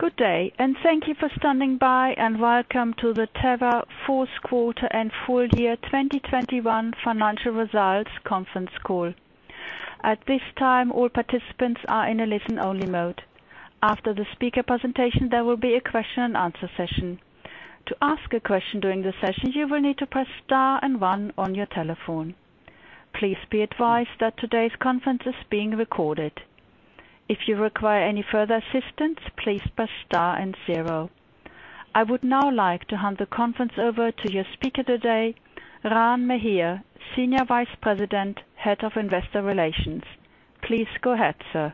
Good day, and thank you for standing by, and welcome to the Teva fourth quarter and full year 2021 financial results conference call. At this time, all participants are in a listen-only mode. After the speaker presentation, there will be a question and answer session. To ask a question during the session, you will need to press star and one on your telephone. Please be advised that today's conference is being recorded. If you require any further assistance, please press star and zero. I would now like to hand the conference over to your speaker today, Ran Meir, Senior Vice President, Head of Investor Relations. Please go ahead, sir.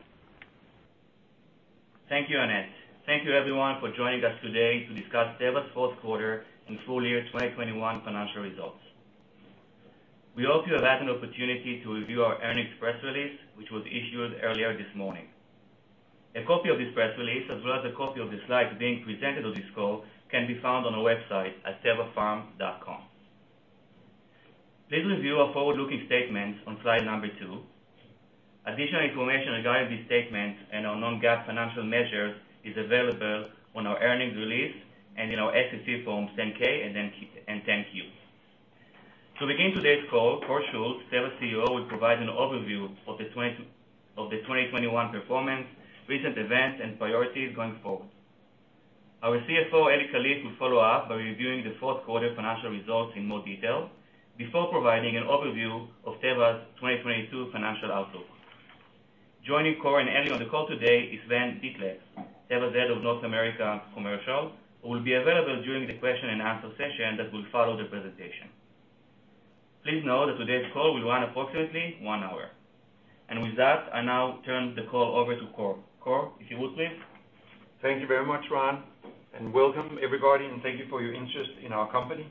Thank you, Annette. Thank you everyone for joining us today to discuss Teva's fourth quarter and full year 2021 financial results. We hope you have had an opportunity to review our earnings press release, which was issued earlier this morning. A copy of this press release, as well as a copy of the slides being presented on this call, can be found on our website at tevapharm.com. Please review our forward-looking statements on slide number two. Additional information regarding these statements and our non-GAAP financial measures is available on our earnings release and in our SEC forms 10-K and 10-Q. To begin today's call, Kåre Schultz, Teva's CEO, will provide an overview of the 2021 performance, recent events, and priorities going forward. Our CFO, Eli Kalif, will follow up by reviewing the fourth quarter financial results in more detail before providing an overview of Teva's 2022 financial outlook. Joining Kåre and Eli on the call today is Sven Dethlefs, Teva's Head of North America Commercial, who will be available during the question and answer session that will follow the presentation. Please know that today's call will run approximately one hour. With that, I now turn the call over to Kåre. Kåre, if you would, please. Thank you very much, Ran, and welcome everybody, and thank you for your interest in our company.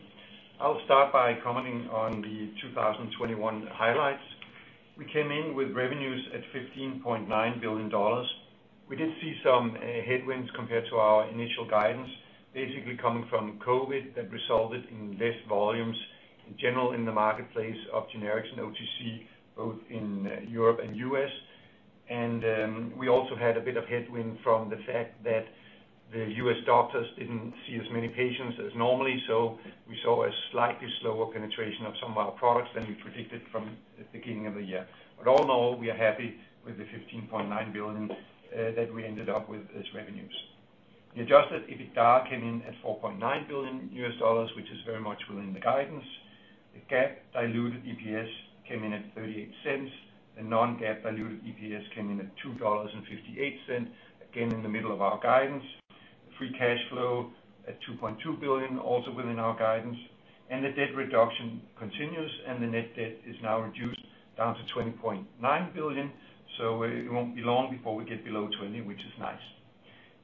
I'll start by commenting on the 2021 highlights. We came in with revenues at $15.9 billion. We did see some headwinds compared to our initial guidance, basically coming from COVID that resulted in less volumes in general in the marketplace of generics and OTC, both in Europe and U.S. We also had a bit of headwind from the fact that the US doctors didn't see as many patients as normally. We saw a slightly slower penetration of some of our products than we predicted from the beginning of the year. All in all, we are happy with the $15.9 billion that we ended up with as revenues. The adjusted EBITDA came in at $4.9 billion, which is very much within the guidance. The GAAP diluted EPS came in at $0.38. The non-GAAP diluted EPS came in at $2.58, again in the middle of our guidance. Free cash flow at $2.2 billion, also within our guidance. The debt reduction continues, and the net debt is now reduced down to $20.9 billion. It won't be long before we get below $20, which is nice.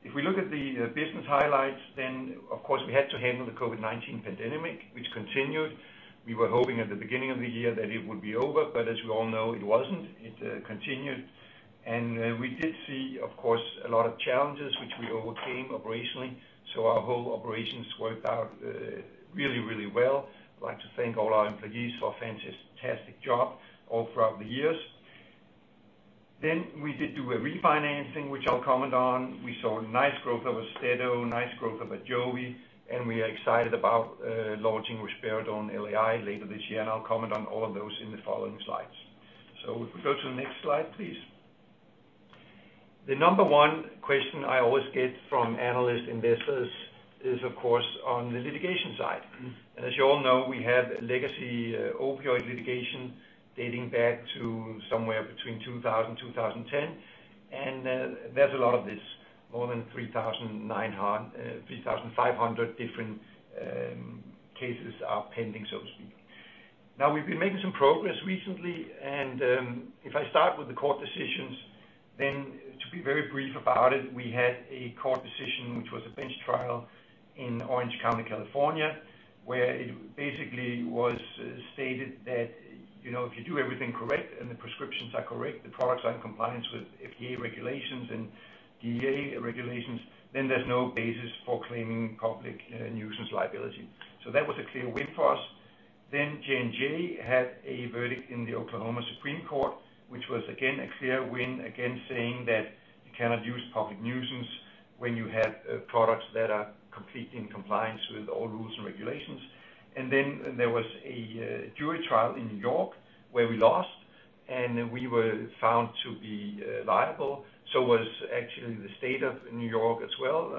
If we look at the business highlights, then of course we had to handle the COVID-19 pandemic, which continued. We were hoping at the beginning of the year that it would be over, but as we all know, it wasn't. It continued. We did see, of course, a lot of challenges which we overcame operationally. Our whole operations worked out really well. I'd like to thank all our employees for a fantastic job all throughout the years. We did do a refinancing, which I'll comment on. We saw nice growth of Austedo, nice growth of Ajovy, and we are excited about launching Risperidone LAI later this year, and I'll comment on all of those in the following slides. If we go to the next slide, please. The number one question I always get from analysts, investors is of course on the litigation side. As you all know, we have a legacy opioid litigation dating back to somewhere between 2000 and 2010. There's a lot of this. More than 3,500 different cases are pending, so to speak. Now, we've been making some progress recently, and if I start with the court decisions, then to be very brief about it, we had a court decision, which was a bench trial in Orange County, California, where it basically was stated that, you know, if you do everything correct and the prescriptions are correct, the products are in compliance with FDA regulations and DEA regulations, then there's no basis for claiming public nuisance liability. So that was a clear win for us. J&J had a verdict in the Oklahoma Supreme Court, which was again a clear win, again saying that you cannot use public nuisance when you have products that are completely in compliance with all rules and regulations. There was a jury trial in New York where we lost, and we were found to be liable. It was actually the State of New York as well.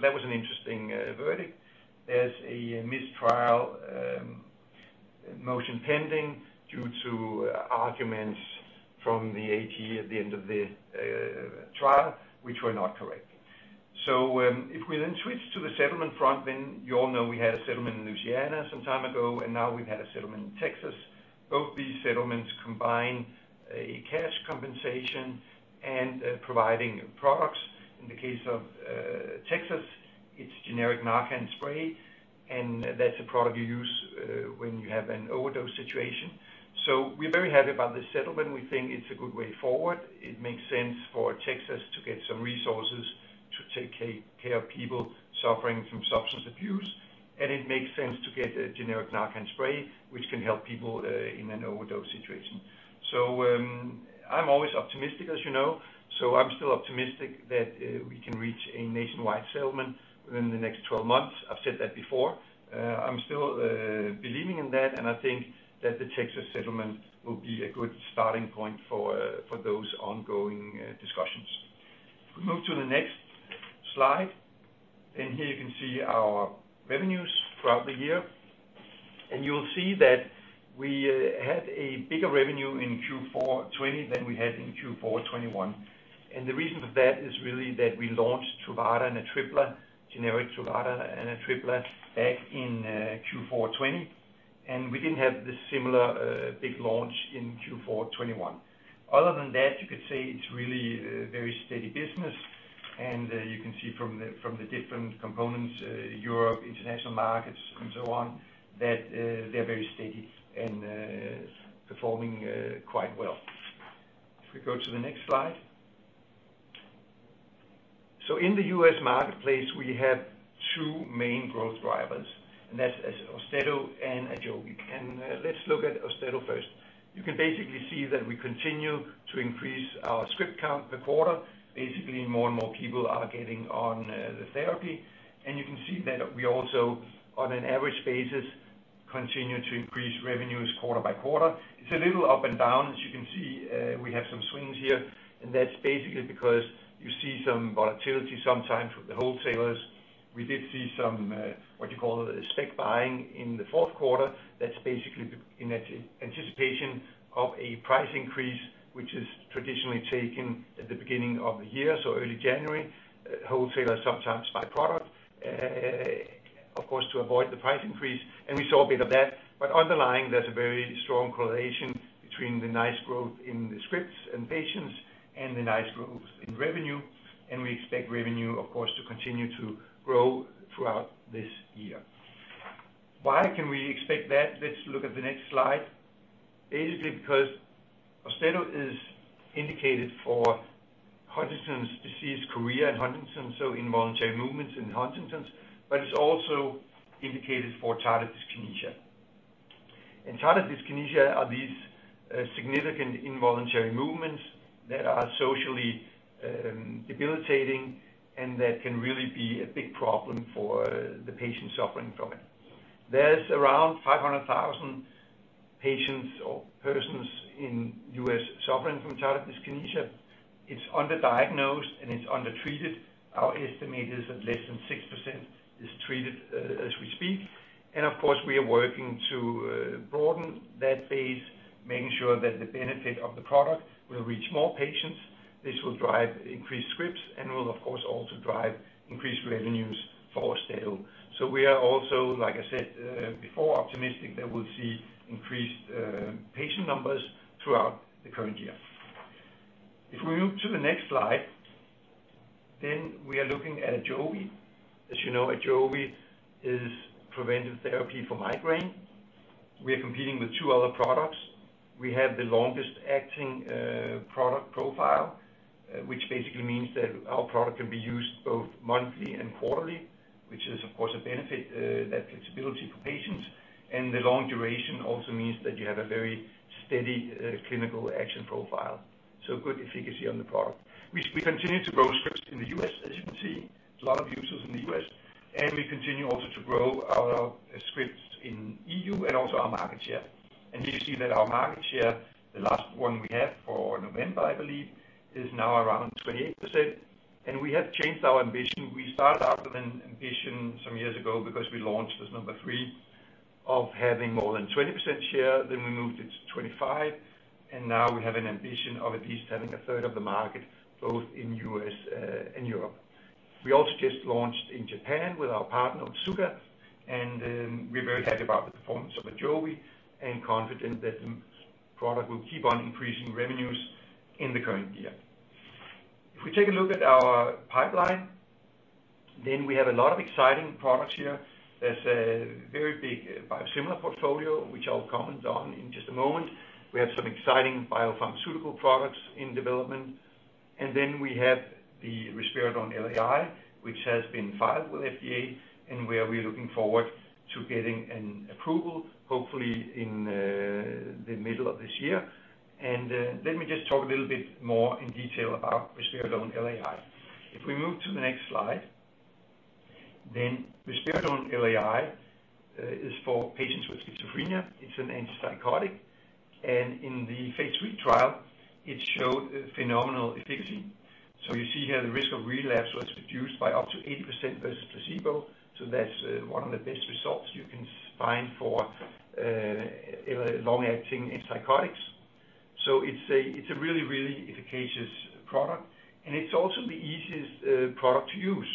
That was an interesting verdict. There's a mistrial motion pending due to arguments from the AG at the end of the trial, which were not correct. If we then switch to the settlement front, then you all know we had a settlement in Louisiana some time ago, and now we've had a settlement in Texas. Both these settlements combine a cash compensation and providing products. In the case of Texas, it's generic Narcan spray, and that's a product you use when you have an overdose situation. We're very happy about this settlement. We think it's a good way forward. It makes sense for Texas to get some resources to take care of people suffering from substance abuse, and it makes sense to get a generic Narcan spray, which can help people in an overdose situation. I'm always optimistic, as you know, so I'm still optimistic that we can reach a nationwide settlement within the next 12 months. I've said that before. I'm still believing in that, and I think that the Texas settlement will be a good starting point for those ongoing discussions. If we move to the next slide, then here you can see our revenues throughout the year. You'll see that we had a bigger revenue in Q4 2020 than we had in Q4 2021. The reason for that is really that we launched Truvada and Atripla, generic Truvada and Atripla back in Q4 2020. We didn't have a similar big launch in Q4 2021. Other than that, you could say it's really very steady business. You can see from the different components, Europe, international markets, and so on, that they're very steady and performing quite well. If we go to the next slide. In the US marketplace, we have two main growth drivers, and that's Austedo and Ajovy. Let's look at Austedo first. You can basically see that we continue to increase our script count per quarter. Basically, more and more people are getting on the therapy. You can see that we also, on an average basis, continue to increase revenues quarter by quarter. It's a little up and down. As you can see, we have some swings here, and that's basically because you see some volatility sometimes with the wholesalers. We did see some, what you call spec buying in the fourth quarter. That's basically in anticipation of a price increase, which is traditionally taken at the beginning of the year, so early January. Wholesalers sometimes buy product, of course, to avoid the price increase, and we saw a bit of that. Underlying, there's a very strong correlation between the nice growth in the scripts and patients and the nice growth in revenue. We expect revenue, of course, to continue to grow throughout this year. Why can we expect that? Let's look at the next slide. Basically because Austedo is indicated for Huntington's disease, chorea in Huntington's, so involuntary movements in Huntington's, but it's also indicated for tardive dyskinesia. Tardive dyskinesia are these significant involuntary movements that are socially debilitating and that can really be a big problem for the patient suffering from it. There is around 500,000 patients or persons in U.S. suffering from tardive dyskinesia. It's underdiagnosed, and it's undertreated. Our estimate is that less than 6% is treated as we speak. Of course, we are working to broaden that base, making sure that the benefit of the product will reach more patients. This will drive increased scripts and will of course also drive increased revenues for Austedo. We are also, like I said before, optimistic that we'll see increased patient numbers throughout the current year. If we move to the next slide, we are looking at Ajovy. As you know, Ajovy is preventive therapy for migraine. We are competing with two other products. We have the longest acting product profile, which basically means that our product can be used both monthly and quarterly, which is, of course, a benefit, that flexibility for patients. The long duration also means that you have a very steady clinical action profile, so good efficacy on the product. We continue to grow scripts in the U.S., as you can see, a lot of users in the U.S. We continue also to grow our scripts in EU and also our market share. Here you see that our market share, the last one we have for November, I believe, is now around 28%. We have changed our ambition. We started out with an ambition some years ago because we launched as number three of having more than 20% share, then we moved it to 25, and now we have an ambition of at least having a 1/3 of the market both in U.S. and Europe. We also just launched in Japan with our partner, Otsuka, and we're very happy about the performance of Ajovy and confident that the product will keep on increasing revenues in the current year. If we take a look at our pipeline, then we have a lot of exciting products here. There's a very big biosimilar portfolio, which I'll comment on in just a moment. We have some exciting biopharmaceutical products in development. Then we have the Risperidone LAI, which has been filed with FDA, and we are really looking forward to getting an approval, hopefully in the middle of this year. Let me just talk a little bit more in detail about Risperidone LAI. If we move to the next slide, then Risperidone LAI is for patients with schizophrenia. It's an antipsychotic. In the phase III trial, it showed phenomenal efficacy. You see here the risk of relapse was reduced by up to 80% versus placebo. That's one of the best results you can find for long-acting antipsychotics. It's a really, really efficacious product, and it's also the easiest product to use.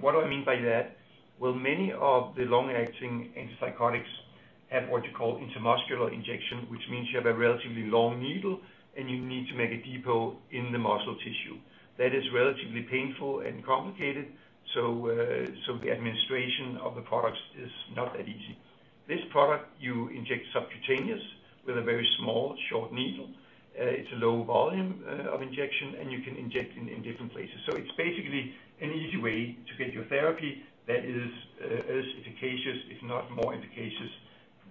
What do I mean by that? Well, many of the long-acting antipsychotics have what you call intramuscular injection, which means you have a relatively long needle, and you need to make a depot in the muscle tissue. That is relatively painful and complicated, so the administration of the products is not that easy. This product you inject subcutaneous with a very small, short needle. It's a low volume of injection, and you can inject in different places. It's basically an easy way to get your therapy that is as efficacious, if not more efficacious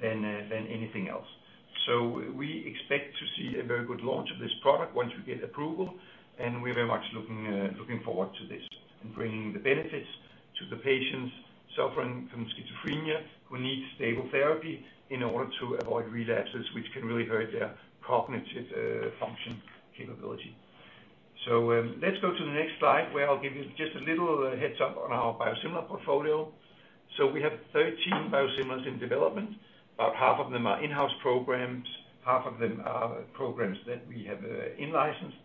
than anything else. We expect to see a very good launch of this product once we get approval, and we're very much looking forward to this and bringing the benefits to the patients suffering from schizophrenia who need stable therapy in order to avoid relapses which can really hurt their cognitive function capability. Let's go to the next slide where I'll give you just a little heads-up on our biosimilar portfolio. We have 13 biosimilars in development. About half of them are in-house programs, half of them are programs that we have in-licensed.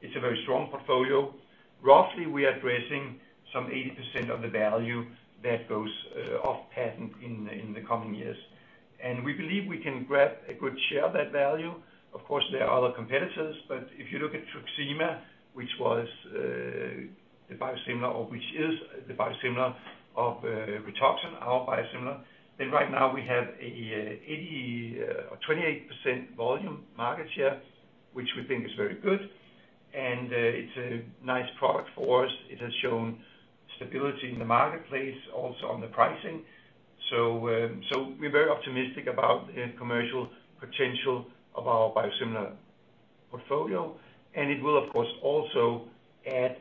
It's a very strong portfolio. Roughly, we are addressing some 80% of the value that goes off patent in the coming years. We believe we can grab a good share of that value. Of course, there are other competitors, but if you look at Truxima, which is the biosimilar of Rituxan, our biosimilar, then right now we have a 28% volume market share, which we think is very good. It's a nice product for us. It has shown stability in the marketplace, also on the pricing. We're very optimistic about the commercial potential of our biosimilar portfolio, and it will, of course, also add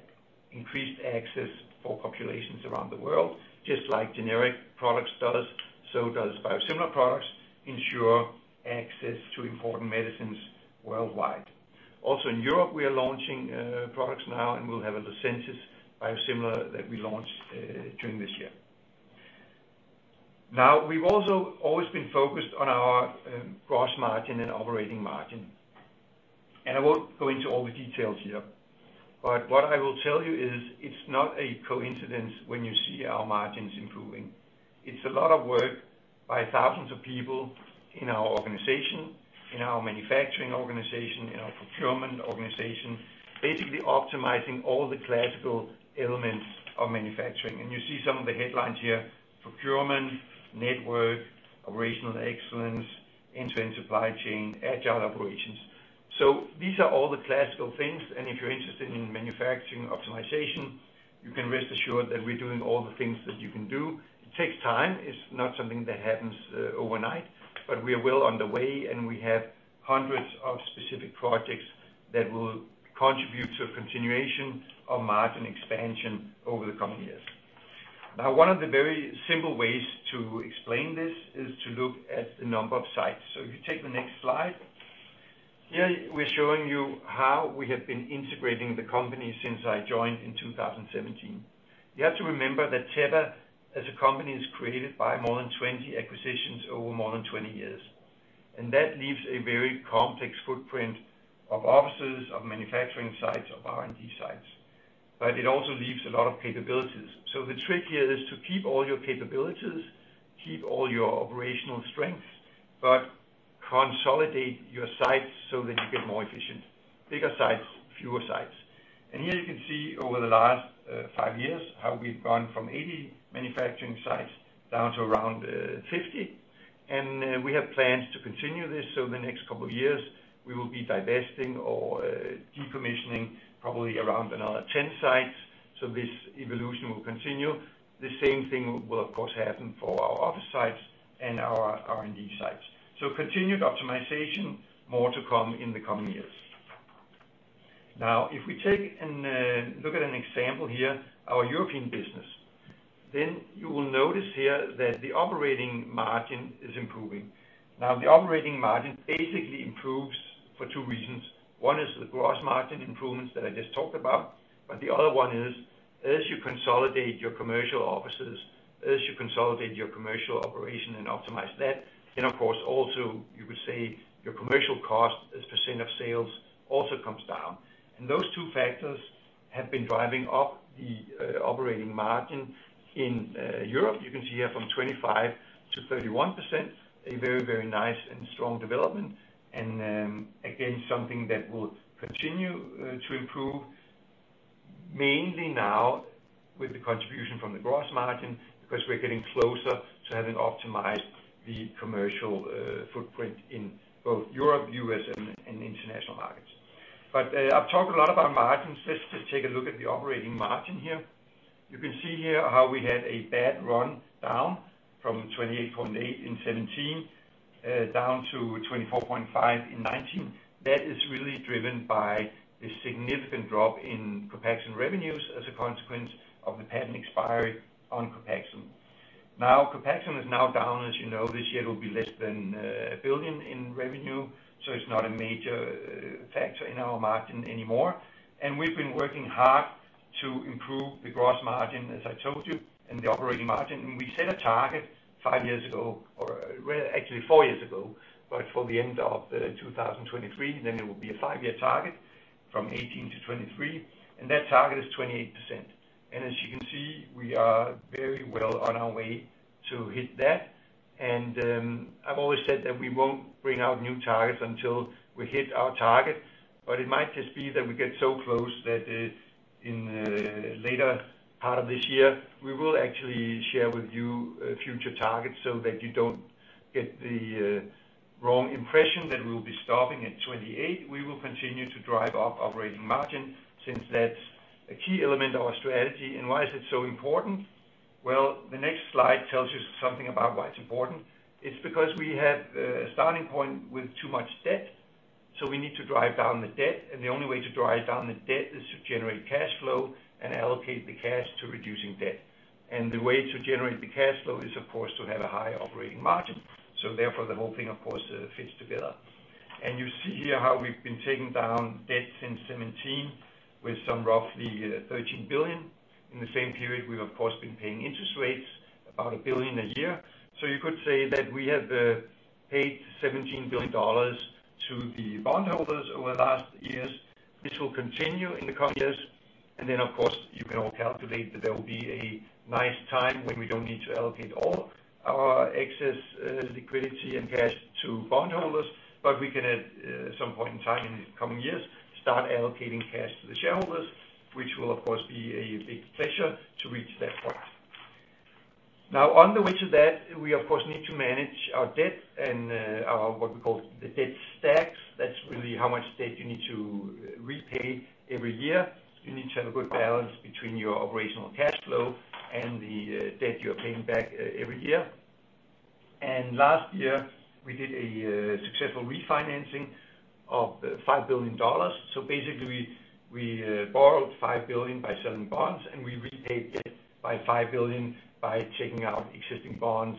increased access for populations around the world. Just like generic products does, so does biosimilar products ensure access to important medicines worldwide. Also in Europe, we are launching products now, and we'll have a Lucentis biosimilar that we launch during this year. Now, we've also always been focused on our gross margin and operating margin. I won't go into all the details here, but what I will tell you is it's not a coincidence when you see our margins improving. It's a lot of work by thousands of people in our organization, in our manufacturing organization, in our procurement organization, basically optimizing all the classical elements of manufacturing. You see some of the headlines here: procurement, network, operational excellence, end-to-end supply chain, agile operations. These are all the classical things, and if you're interested in manufacturing optimization, you can rest assured that we're doing all the things that you can do. It takes time. It's not something that happens overnight, but we are well on the way, and we have hundreds of specific projects that will contribute to a continuation of margin expansion over the coming years. Now, one of the very simple ways to explain this is to look at the number of sites. If you take the next slide. Here we're showing you how we have been integrating the company since I joined in 2017. You have to remember that Teva as a company is created by more than 20 acquisitions over more than 20 years. That leaves a very complex footprint of offices, of manufacturing sites, of R&D sites. But it also leaves a lot of capabilities. The trick here is to keep all your capabilities, keep all your operational strengths, but consolidate your sites so that you get more efficient. Bigger sites, fewer sites. Here you can see over the last five years how we've gone from 80 manufacturing sites down to around 50. We have plans to continue this. The next couple of years we will be divesting or decommissioning probably around another 10 sites. This evolution will continue. The same thing will of course happen for our office sites and our R&D sites. Continued optimization, more to come in the coming years. Now if we take and look at an example here, our European business, then you will notice here that the operating margin is improving. Now, the operating margin basically improves for two reasons. One is the gross margin improvements that I just talked about, but the other one is as you consolidate your commercial offices, as you consolidate your commercial operation and optimize that, then of course also you would say your commercial cost as percentage of sales also comes down. Those two factors have been driving up the operating margin in Europe. You can see here from 25%-31%, a very, very nice and strong development. Again, something that will continue to improve mainly now with the contribution from the gross margin because we're getting closer to having optimized the commercial footprint in both Europe, U.S., and international markets. I've talked a lot about margins. Let's just take a look at the operating margin here. You can see here how we had a bad run down from 28.8% in 2017 down to 24.5% in 2019. That is really driven by the significant drop in Copaxone revenues as a consequence of the patent expiry on Copaxone. Now, Copaxone is down. As you know, this year it will be less than $1 billion in revenue, so it's not a major factor in our margin anymore. We've been working hard to improve the gross margin, as I told you, and the operating margin. We set a target five years ago, or, well, actually four years ago, but for the end of 2023, then it will be a five-year target from 2018 to 2023, and that target is 28%. As you can see, we are very well on our way to hit that. I've always said that we won't bring out new targets until we hit our targets. But it might just be that we get so close that, in later part of this year, we will actually share with you future targets so that you don't get the wrong impression that we will be stopping at 28%. We will continue to drive up operating margin since that's a key element of our strategy. Why is it so important? Well, the next slide tells you something about why it's important. It's because we have a starting point with too much debt, so we need to drive down the debt. The only way to drive down the debt is to generate cash flow and allocate the cash to reducing debt. The way to generate the cash flow is, of course, to have a high operating margin. Therefore, the whole thing, of course, fits together. You see here how we've been taking down debt since 2017 with roughly $13 billion. In the same period, we've of course been paying interest rates, about $1 billion a year. You could say that we have paid $17 billion to the bondholders over the last years. This will continue in the coming years. Of course, you can all calculate that there will be a nice time when we don't need to allocate all our excess liquidity and cash to bondholders, but we can at some point in time in the coming years, start allocating cash to the shareholders, which will, of course, be a big pleasure to reach that point. Now, on the reach of that, we of course need to manage our debt and our what we call the debt stacks. That's really how much debt you need to repay every year. You need to have a good balance between your operational cash flow and the debt you are paying back every year. Last year, we did a successful refinancing of $5 billion. Basically we borrowed $5 billion by selling bonds, and we repaid debt by $5 billion by calling existing bonds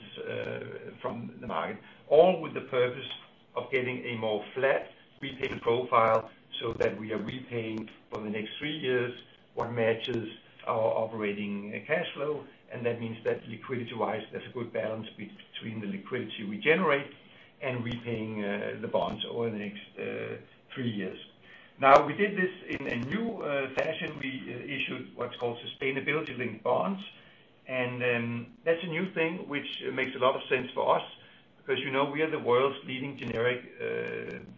from the market, all with the purpose of getting a more flat repayment profile so that we are repaying for the next three years what matches our operating cash flow. That means that liquidity-wise, there's a good balance between the liquidity we generate and repaying the bonds over the next three years. Now, we did this in a new fashion. We issued what's called sustainability-linked bonds. That's a new thing which makes a lot of sense for us because, you know, we are the world's leading generic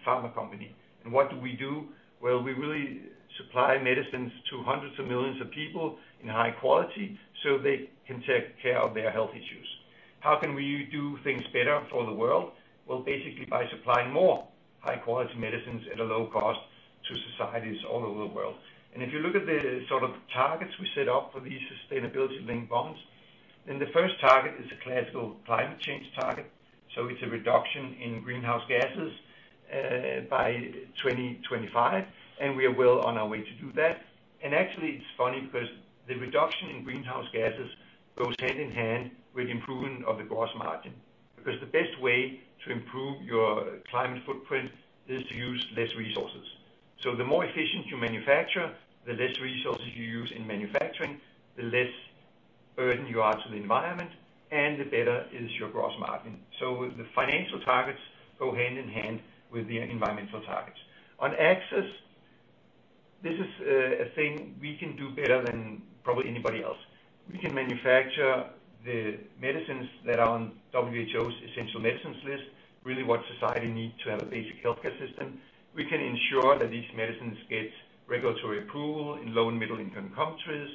pharma company. What do we do? Well, we really supply medicines to hundreds of millions of people in high quality so they can take care of their health issues. How can we do things better for the world? Well, basically, by supplying more high-quality medicines at a low cost to societies all over the world. If you look at the sort of targets we set up for these sustainability-linked bonds, then the first target is a classical climate change target. It's a reduction in greenhouse gases by 2025, and we are well on our way to do that. Actually, it's funny because the reduction in greenhouse gases goes hand-in-hand with improvement of the gross margin because the best way to improve your climate footprint is to use less resources. The more efficient you manufacture, the less resources you use in manufacturing, the less burden you are to the environment, and the better is your gross margin. The financial targets go hand-in-hand with the environmental targets. On access, this is a thing we can do better than probably anybody else. We can manufacture the medicines that are on WHO's essential medicines list, really what society need to have a basic healthcare system. We can ensure that these medicines get regulatory approval in low and middle-income countries,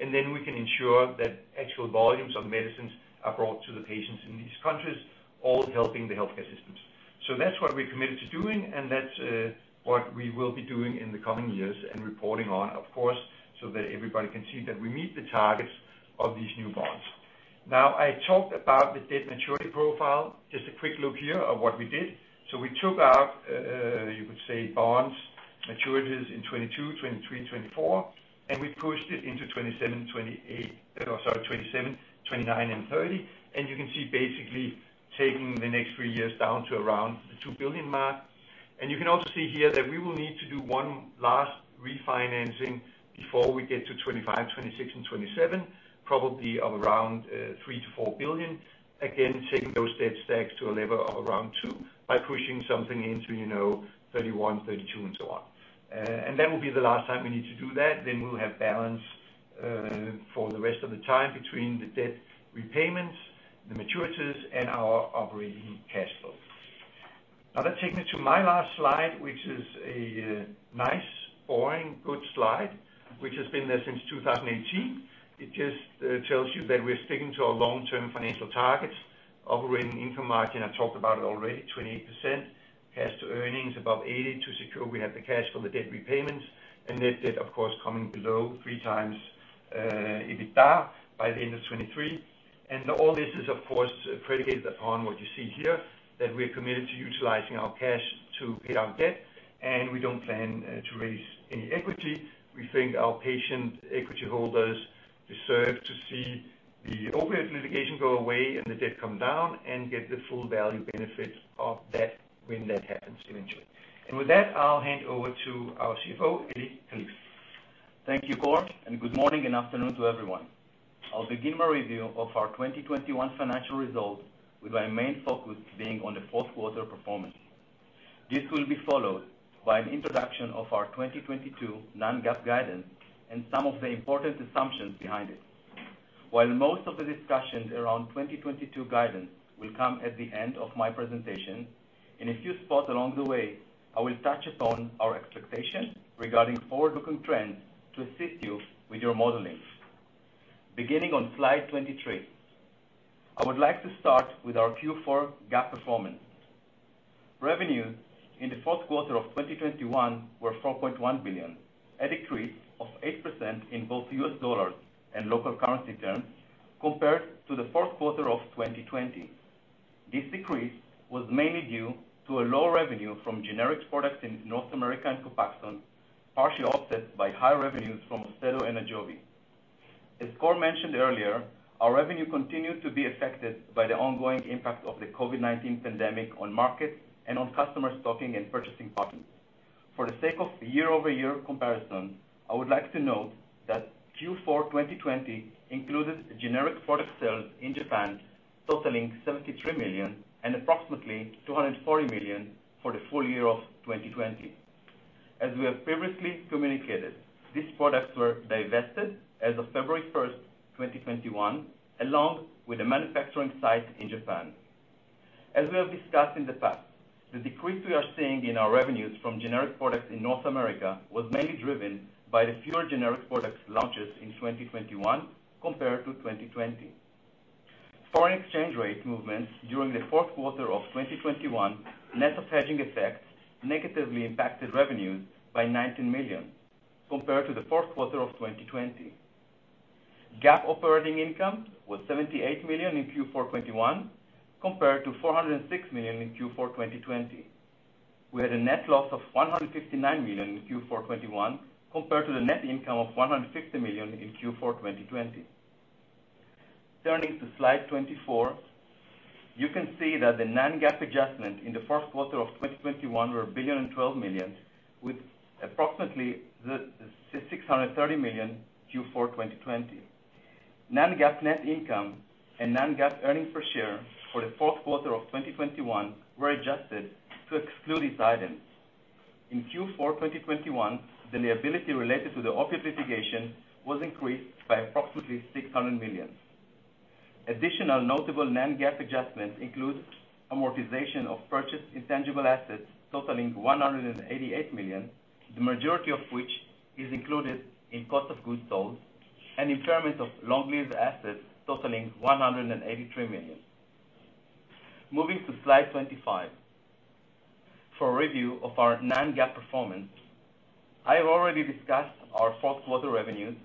and then we can ensure that actual volumes of medicines are brought to the patients in these countries, all helping the healthcare systems. That's what we're committed to doing, and that's what we will be doing in the coming years and reporting on, of course, so that everybody can see that we meet the targets of these new bonds. Now, I talked about the debt maturity profile, just a quick look here of what we did. We took our, you could say bonds maturities in 2022, 2023, 2024, and we pushed it into 2027, 2028. Sorry, 2027, 2029, and 2030. You can see basically taking the next three years down to around the $2 billion mark. You can also see here that we will need to do one last refinancing before we get to 2025, 2026, and 2027, probably of around $3 billion-$4 billion. Again, taking those debt stacks to a level of around $2 billion by pushing something into, you know, 2031, 2032, and so on. That will be the last time we need to do that. We'll have balance for the rest of the time between the debt repayments, the maturities, and our operating cash flow. Now, that takes me to my last slide, which is a nice, boring, good slide, which has been there since 2018. It just tells you that we're sticking to our long-term financial targets. Operating income margin, I talked about it already, 28%. Cash to earnings above 80 to secure we have the cash for the debt repayments. Net debt, of course, coming below 3x EBITDA by the end of 2023. All this is, of course, predicated upon what you see here, that we're committed to utilizing our cash to pay down debt, and we don't plan to raise any equity. We think our patient equity holders deserve to see the opioid litigation go away and the debt come down and get the full value benefits of that when that happens eventually. With that, I'll hand over to our CFO, Eli Kalif. Thank you, Kåre, and good morning and afternoon to everyone. I'll begin my review of our 2021 financial results with my main focus being on the fourth quarter performance. This will be followed by an introduction of our 2022 non-GAAP guidance and some of the important assumptions behind it. While most of the discussions around 2022 guidance will come at the end of my presentation, in a few spots along the way, I will touch upon our expectations regarding forward-looking trends to assist you with your modeling. Beginning on slide 23. I would like to start with our Q4 GAAP performance. Revenues in the fourth quarter of 2021 were $4.1 billion, a decrease of 8% in both US dollars and local currency terms compared to the fourth quarter of 2020. This decrease was mainly due to lower revenue from generic products in North America and Copaxone, partially offset by higher revenues from Austedo and Ajovy. As Kåre mentioned earlier, our revenue continued to be affected by the ongoing impact of the COVID-19 pandemic on markets and on customer stocking and purchasing patterns. For the sake of year-over-year comparison, I would like to note that Q4 2020 included generic product sales in Japan totaling $73 million and approximately $240 million for the full year of 2020. As we have previously communicated, these products were divested as of February 1st, 2021, along with a manufacturing site in Japan. As we have discussed in the past, the decrease we are seeing in our revenues from generic products in North America was mainly driven by the fewer generic product launches in 2021 compared to 2020. Foreign exchange rate movements during the fourth quarter of 2021, net of hedging effects, negatively impacted revenues by $19 million compared to the fourth quarter of 2020. GAAP operating income was $78 million in Q4 2021 compared to $406 million in Q4 2020. We had a net loss of $159 million in Q4 2021 compared to the net income of $160 million in Q4 2020. Turning to slide 24, you can see that the non-GAAP adjustment in the first quarter of 2021 were $1.012 billion, with approximately $630 million in Q4 2020. Non-GAAP net income and non-GAAP earnings per share for the fourth quarter of 2021 were adjusted to exclude these items. In Q4 2021, the liability related to the Opioid litigation was increased by approximately $600 million. Additional notable non-GAAP adjustments include amortization of purchased intangible assets totaling $188 million, the majority of which is included in cost of goods sold, and impairment of long-lived assets totaling $183 million. Moving to slide 25. For a review of our non-GAAP performance, I have already discussed our fourth quarter revenues,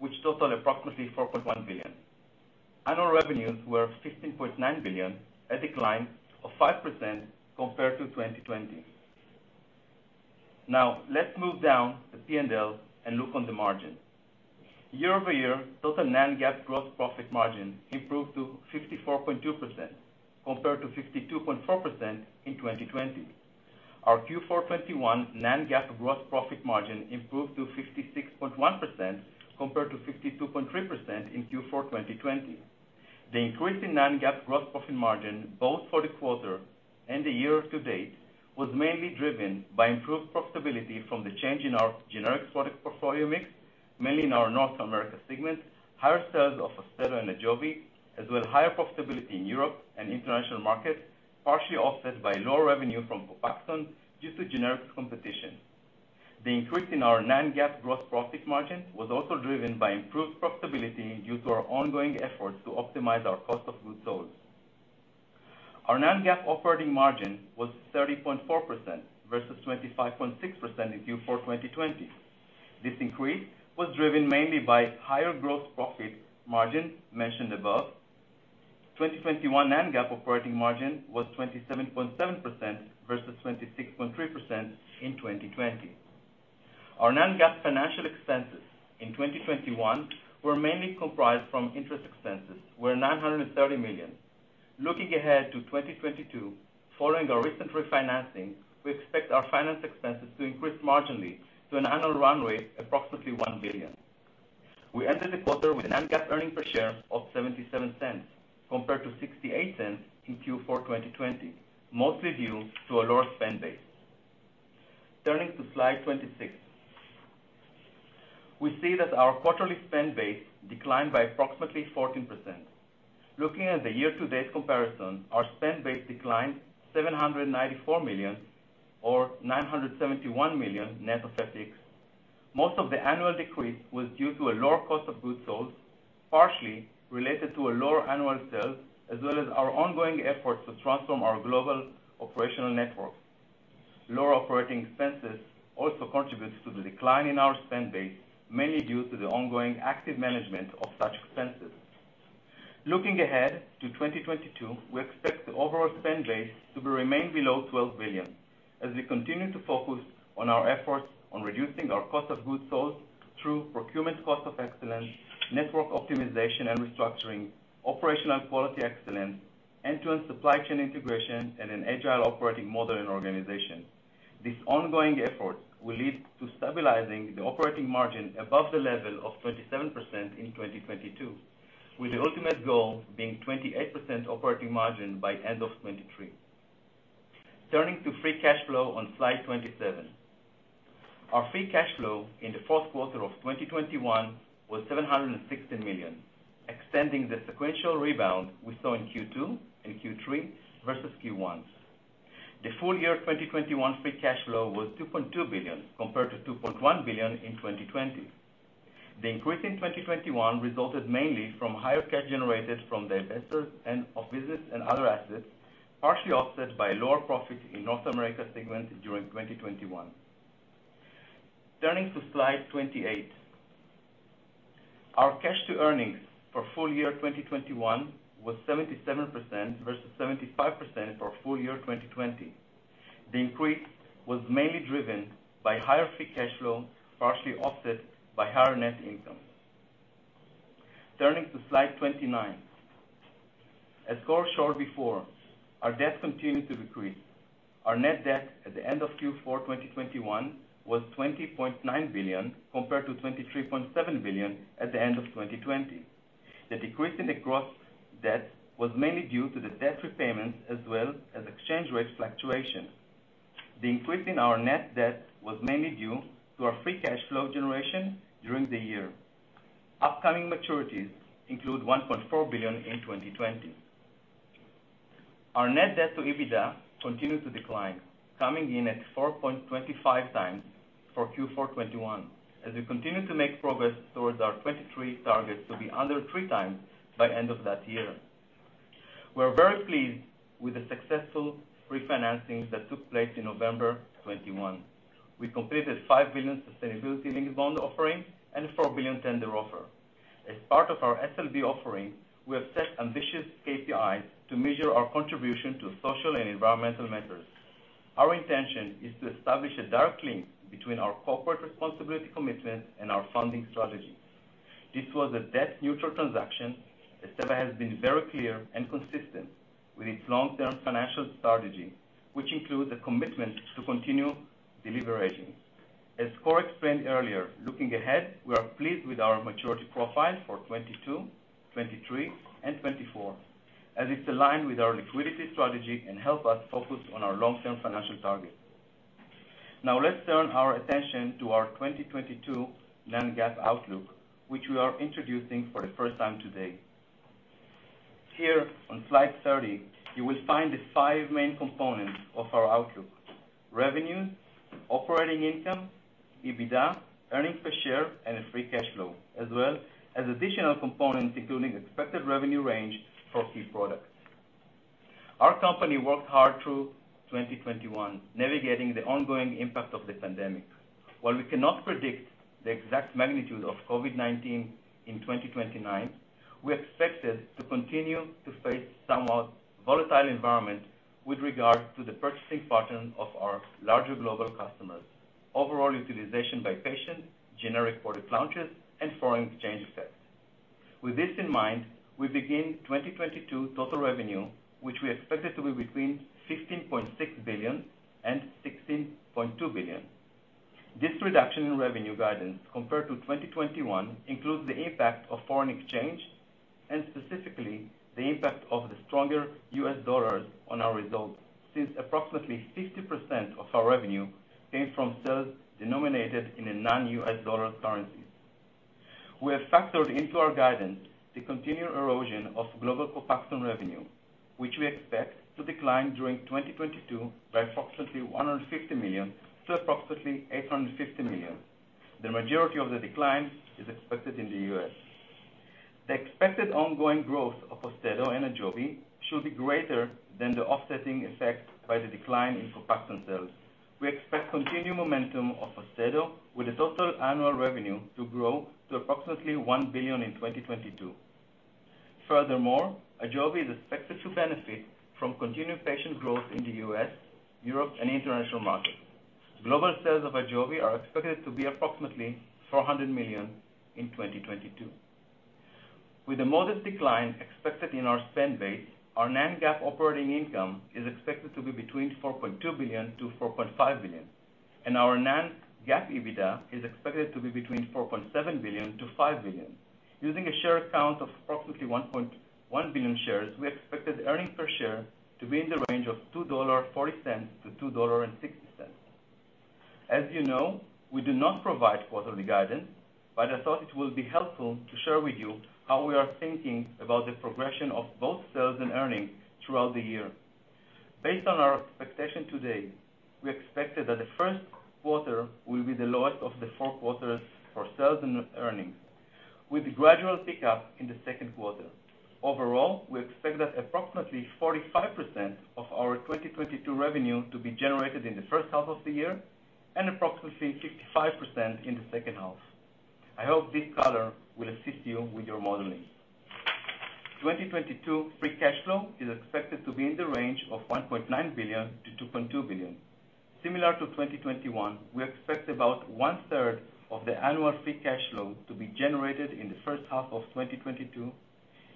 which totaled approximately $4.1 billion. Annual revenues were $15.9 billion, a decline of 5% compared to 2020. Now, let's move down the P&L and look on the margin. Year-over-year total non-GAAP gross profit margin improved to 54.2% compared to 52.4% in 2020. Our Q4 2021 non-GAAP gross profit margin improved to 56.1% compared to 52.3% in Q4 2020. The increase in non-GAAP gross profit margin, both for the quarter and the year to date, was mainly driven by improved profitability from the change in our generics product portfolio mix, mainly in our North America segment, higher sales of Austedo and Ajovy, as well as higher profitability in Europe and international markets, partially offset by lower revenue from Copaxone due to generic competition. The increase in our non-GAAP gross profit margin was also driven by improved profitability due to our ongoing efforts to optimize our cost of goods sold. Our non-GAAP operating margin was 30.4% versus 25.6% in Q4 2020. This increase was driven mainly by higher gross profit margin mentioned above. 2021 non-GAAP operating margin was 27.7% versus 26.3% in 2020. Our non-GAAP financial expenses in 2021 were mainly comprised of interest expenses of $930 million. Looking ahead to 2022, following our recent refinancing, we expect our finance expenses to increase marginally to an annual run rate of approximately $1 billion. We ended the quarter with non-GAAP earnings per share of $0.77 compared to $0.68 in Q4 2020, mostly due to a lower spend base. Turning to slide 26. We see that our quarterly spend base declined by approximately 14%. Looking at the year-to-date comparison, our spend base declined $794 million or $971 million net of FX. Most of the annual decrease was due to a lower cost of goods sold, partially related to a lower annual sales, as well as our ongoing efforts to transform our global operational network. Lower operating expenses also contributes to the decline in our spend base, mainly due to the ongoing active management of such expenses. Looking ahead to 2022, we expect the overall spend base to remain below $12 billion as we continue to focus on our efforts on reducing our cost of goods sold through procurement cost of excellence, network optimization and restructuring, operational and quality excellence, end-to-end supply chain integration, and an agile operating model and organization. This ongoing effort will lead to stabilizing the operating margin above the level of 27% in 2022, with the ultimate goal being 28% operating margin by end of 2023. Turning to free cash flow on slide 27. Our free cash flow in the fourth quarter of 2021 was $760 million, extending the sequential rebound we saw in Q2 and Q3 versus Q1. The full year 2021 free cash flow was $2.2 billion compared to $2.1 billion in 2020. The increase in 2021 resulted mainly from higher cash generated from the divestitures and sale of business and other assets, partially offset by lower profits in North America segment during 2021. Turning to slide 28. Our cash to earnings for full year 2021 was 77% versus 75% for full year 2020. The increase was mainly driven by higher free cash flow, partially offset by higher net income. Turning to slide 29. As Kåre showed before, our debt continued to decrease. Our net debt at the end of Q4 2021 was $20.9 billion, compared to $23.7 billion at the end of 2020. The decrease in the gross debt was mainly due to the debt repayments as well as exchange rate fluctuation. The increase in our net debt was mainly due to our free cash flow generation during the year. Upcoming maturities include $1.4 billion in 2020. Our net debt to EBITDA continued to decline, coming in at 4.25x for Q4 2021 as we continue to make progress towards our 2023 targets to be under 3x by end of that year. We're very pleased with the successful refinancings that took place in November 2021. We completed $5 billion sustainability-linked bond offering and a $4 billion tender offer. As part of our SLB offering, we have set ambitious KPIs to measure our contribution to social and environmental measures. Our intention is to establish a direct link between our corporate responsibility commitment and our funding strategy. This was a debt neutral transaction, as Teva has been very clear and consistent with its long-term financial strategy, which includes a commitment to continue de-leveraging. As Kåre explained earlier, looking ahead, we are pleased with our maturity profile for 2022, 2023, and 2024, as it's aligned with our liquidity strategy and help us focus on our long-term financial targets. Now let's turn our attention to our 2022 non-GAAP outlook, which we are introducing for the first time today. Here on slide 30, you will find the five main components of our outlook. Revenue, operating income, EBITDA, earnings per share, and free cash flow, as well as additional components including expected revenue range for key products. Our company worked hard through 2021 navigating the ongoing impact of the pandemic. While we cannot predict the exact magnitude of COVID-19 in 2022, we expected to continue to face somewhat volatile environment with regard to the purchasing pattern of our larger global customers, overall utilization by patients, generic product launches, and foreign exchange effects. With this in mind, we begin 2022 with total revenue, which we expected to be between $15.6 billion and $16.2 billion. This reduction in revenue guidance compared to 2021 includes the impact of foreign exchange and specifically the impact of the stronger US dollar on our results, since approximately 60% of our revenue came from sales denominated in a non-US dollar currencies. We have factored into our guidance the continued erosion of global Copaxone revenue, which we expect to decline during 2022 by approximately $150 million-$850 million. The majority of the decline is expected in the U.S. The expected ongoing growth of Austedo and Ajovy should be greater than the offsetting effect by the decline in Copaxone sales. We expect continued momentum of Austedo with a total annual revenue to grow to approximately $1 billion in 2022. Furthermore, Ajovy is expected to benefit from continued patient growth in the U.S., Europe, and international markets. Global sales of Ajovy are expected to be approximately $400 million in 2022. With a modest decline expected in our spend base, our non-GAAP operating income is expected to be between $4.2 billion-$4.5 billion, and our non-GAAP EBITDA is expected to be between $4.7 billion-$5 billion. Using a share count of approximately 1.1 billion shares, we expected earnings per share to be in the range of $2.40-$2.60. As you know, we do not provide quarterly guidance, but I thought it will be helpful to share with you how we are thinking about the progression of both sales and earnings throughout the year. Based on our expectation today, we expected that the first quarter will be the lowest of the four quarters for sales and earnings, with gradual pickup in the second quarter. Overall, we expect that approximately 45% of our 2022 revenue to be generated in the first half of the year and approximately 55% in the second half. I hope this color will assist you with your modeling. 2022 free cash flow is expected to be in the range of $1.9 billion-$2.2 billion. Similar to 2021, we expect about 1/3 of the annual free cash flow to be generated in the first half of 2022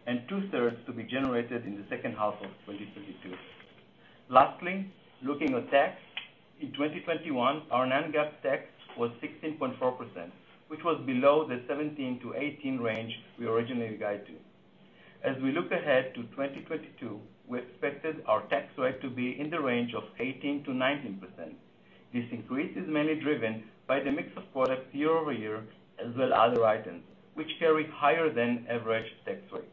and 2/3 to be generated in the second half of 2022. Lastly, looking at tax, in 2021, our non-GAAP tax was 16.4%, which was below the 17%-18% range we originally guide to. As we look ahead to 2022, we expected our tax rate to be in the range of 18%-19%. This increase is mainly driven by the mix of products year-over-year, as well as other items which carry higher than average tax rate.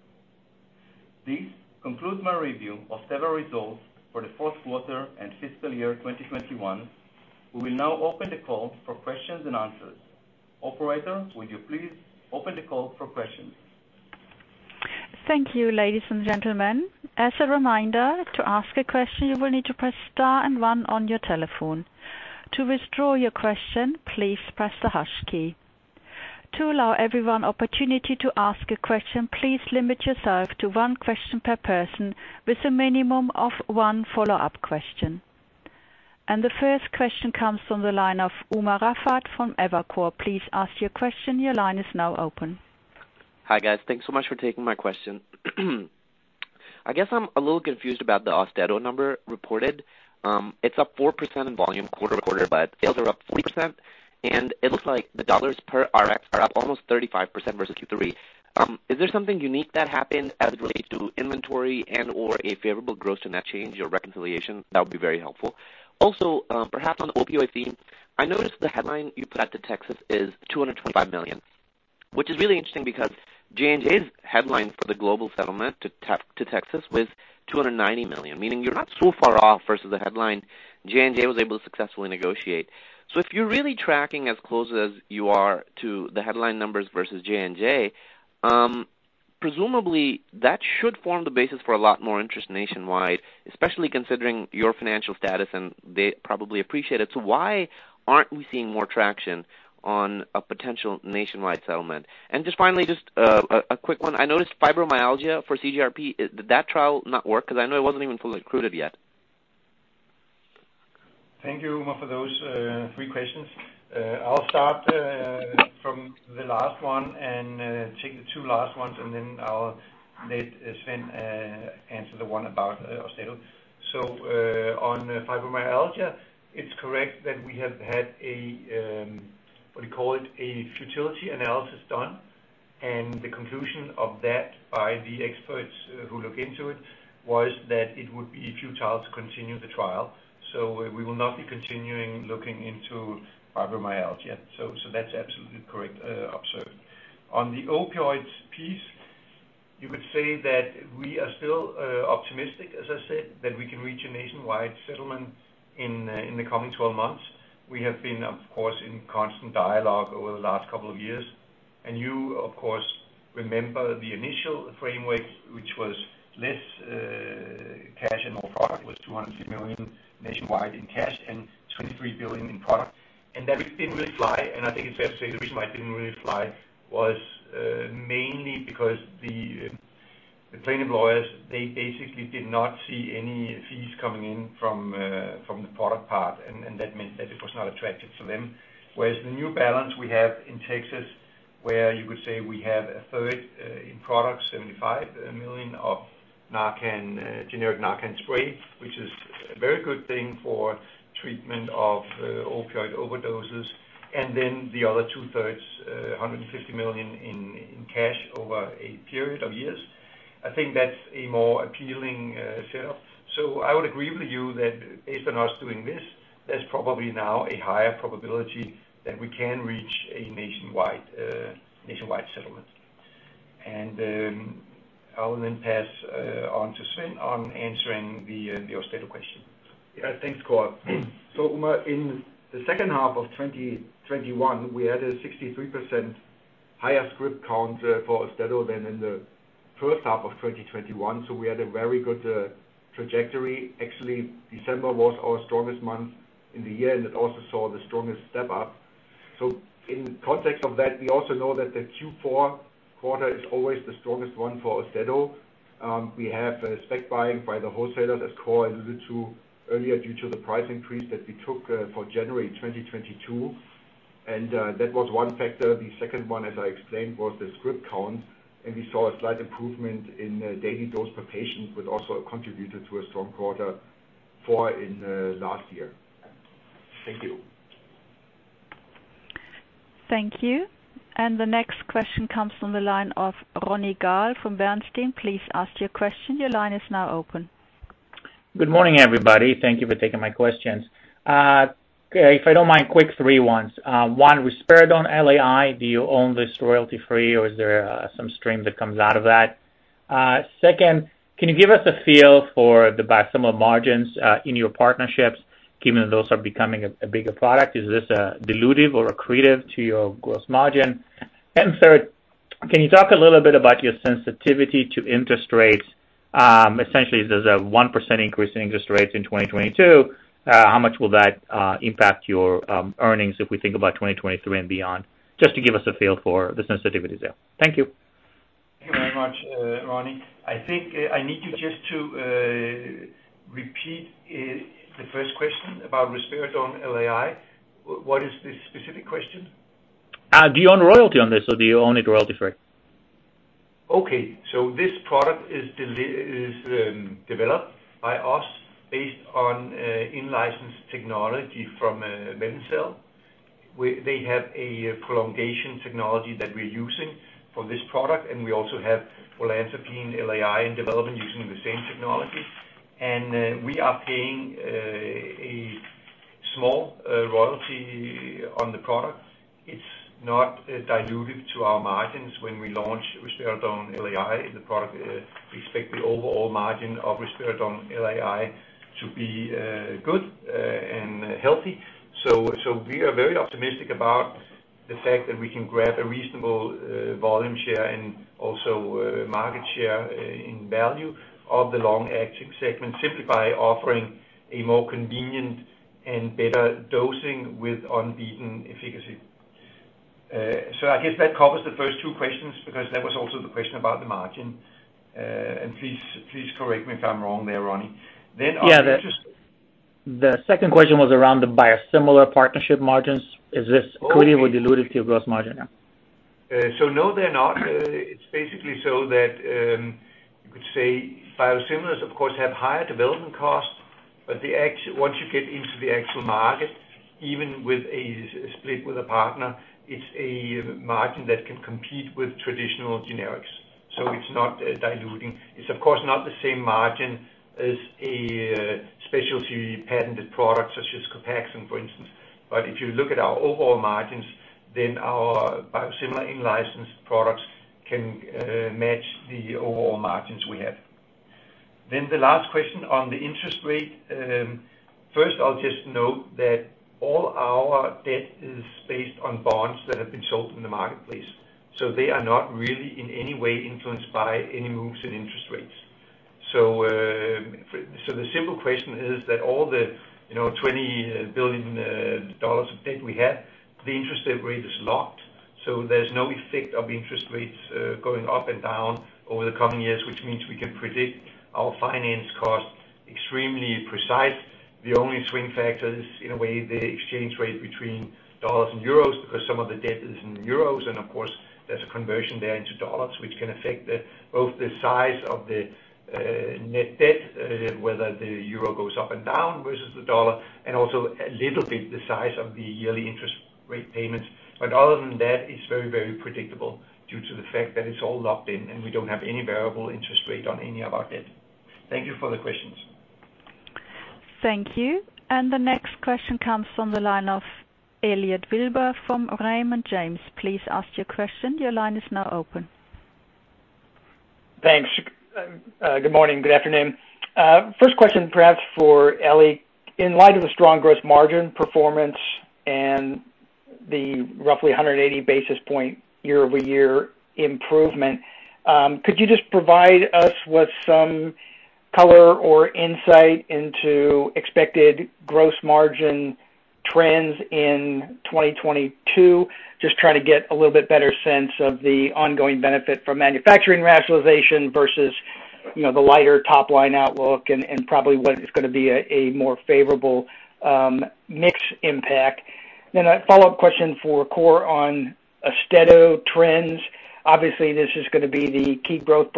This concludes my review of several results for the fourth quarter and fiscal year 2021. We will now open the call for questions and answers. Operator, would you please open the call for questions? Thank you, ladies and gentlemen. As a reminder, to ask a question, you will need to press star and one on your telephone. To withdraw your question, please press the hash key. To allow everyone opportunity to ask a question, please limit yourself to one question per person with a minimum of one follow-up question. The first question comes from the line of Umer Raffat from Evercore. Please ask your question. Your line is now open. Hi, guys. Thanks so much for taking my question. I guess I'm a little confused about the Austedo number reported. It's up 4% in volume quarter-over-quarter, but sales are up 40%, and it looks like the dollars per RX are up almost 35% versus Q3. Is there something unique that happened as it relates to inventory and/or a favorable gross to net change or reconciliation? That would be very helpful. Also, perhaps on the opioid theme, I noticed the headline you put out to Texas is $225 million, which is really interesting because J&J's headline for the global settlement to Texas was $290 million, meaning you're not so far off versus the headline J&J was able to successfully negotiate. If you're really tracking as close as you are to the headline numbers versus J&J, presumably that should form the basis for a lot more interest nationwide, especially considering your financial status, and they probably appreciate it. Why aren't we seeing more traction on a potential nationwide settlement? Just finally a quick one. I noticed fibromyalgia for CGRP. Did that trial not work? 'Cause I know it wasn't even fully recruited yet. Thank you, Umer, for those, three questions. I'll start from the last one and take the two last ones, and then I'll let Sven answer the one about Austedo. On fibromyalgia, it's correct that we have had a what do you call it, a futility analysis done, and the conclusion of that by the experts who look into it was that it would be futile to continue the trial. We will not be continuing looking into fibromyalgia. That's absolutely correct, observed. On the opioids piece, you could say that we are still optimistic, as I said, that we can reach a nationwide settlement in in the coming 12 months. We have been, of course, in constant dialogue over the last couple of years. You, of course, remember the initial framework, which was less cash and more product, was $200 million nationwide in cash and $23 billion in product. That didn't really fly, and I think it's fair to say the reason why it didn't really fly was mainly because the plaintiff lawyers, they basically did not see any fees coming in from the product part, and that meant that it was not attractive to them. Whereas the new balance we have in Texas, where you could say we have a third in products, $75 million of Narcan generic Narcan spray, which is a very good thing for treatment of opioid overdoses. Then the other two-thirds, a $150 million in cash over a period of years. I think that's a more appealing setup. I would agree with you that based on us doing this, there's probably now a higher probability that we can reach a nationwide settlement. I will then pass on to Sven on answering the Austedo question. Yeah. Thanks, Kåre. Umer, in the second half of 2021, we had a 63% higher script count for Austedo than in the first half of 2021, so we had a very good trajectory. Actually, December was our strongest month in the year, and it also saw the strongest step up. In context of that, we also know that the Q4 quarter is always the strongest one for Austedo. We have spec buying by the wholesalers, as Kåre alluded to earlier, due to the price increase that we took for January 2022, and that was one factor. The second one, as I explained, was the script count, and we saw a slight improvement in daily dose per patient, which also contributed to a strong quarter four in last year. Thank you. Thank you. The next question comes from the line of Ronny Gal from Bernstein. Please ask your question. Your line is now open. Good morning, everybody. Thank you for taking my questions. If I don't mind, quick three ones. One, Risperidone LAI, do you own this royalty-free, or is there some stream that comes out of that? Second, can you give us a feel for the biosimilar margins in your partnerships, given those are becoming a bigger product? Is this dilutive or accretive to your gross margin? And third, can you talk a little bit about your sensitivity to interest rates? Essentially, if there's a 1% increase in interest rates in 2022, how much will that impact your earnings if we think about 2023 and beyond? Just to give us a feel for the sensitivity there. Thank you. Thank you very much, Ronny. I think I need you just to repeat the first question about Risperidone LAI. What is the specific question? Do you own royalty on this, or do you own it royalty-free? Okay. This product is developed by us based on in-licensed technology from MedinCell. They have a prolongation technology that we're using for this product, and we also have Olanzapine LAI in development using the same technology. We are paying a small royalty on the product. It's not dilutive to our margins when we launch Risperidone LAI in the product. We expect the overall margin of Risperidone LAI to be good and healthy. We are very optimistic about the fact that we can grab a reasonable volume share and also market share in value of the long-acting segment, simply by offering a more convenient and better dosing with unbeaten efficacy. I guess that covers the first two questions because that was also the question about the margin. Please correct me if I'm wrong there, Ronny. Are you interest- Yeah. The second question was around the biosimilar partnership margins. Is this clearly or dilutive to your gross margin? No, they're not. It's basically so that you could say biosimilars of course have higher development costs, but once you get into the actual market, even with a split with a partner, it's a margin that can compete with traditional generics. It's not diluting. It's of course not the same margin as a specialty patented product such as Copaxone, for instance. But if you look at our overall margins, then our biosimilar in-licensed products can match the overall margins we have. The last question on the interest rate. First I'll just note that all our debt is based on bonds that have been sold in the marketplace, so they are not really in any way influenced by any moves in interest rates. The simple question is that all the, you know, $20 billion of debt we have, the interest rate is locked, so there's no effect of interest rates going up and down over the coming years, which means we can predict our finance costs extremely precise. The only swing factor is, in a way, the exchange rate between dollars and euros, because some of the debt is in euros, and of course, there's a conversion there into dollars which can affect both the size of the net debt, whether the euro goes up and down versus the dollar, and also a little bit the size of the yearly interest rate payments. Other than that, it's very, very predictable due to the fact that it's all locked in and we don't have any variable interest rate on any of our debt. Thank you for the questions. Thank you. The next question comes from the line of Elliot Wilbur from Raymond James. Please ask your question. Your line is now open. Thanks. Good morning, good afternoon. First question perhaps for Eli. In light of the strong gross margin performance and the roughly 180 basis point year-over-year improvement, could you just provide us with some color or insight into expected gross margin trends in 2022? Just trying to get a little bit better sense of the ongoing benefit from manufacturing rationalization versus, you know, the lighter top-line outlook and probably what is gonna be a more favorable mix impact. A follow-up question for Kåre on Austedo trends. Obviously, this is gonna be the key growth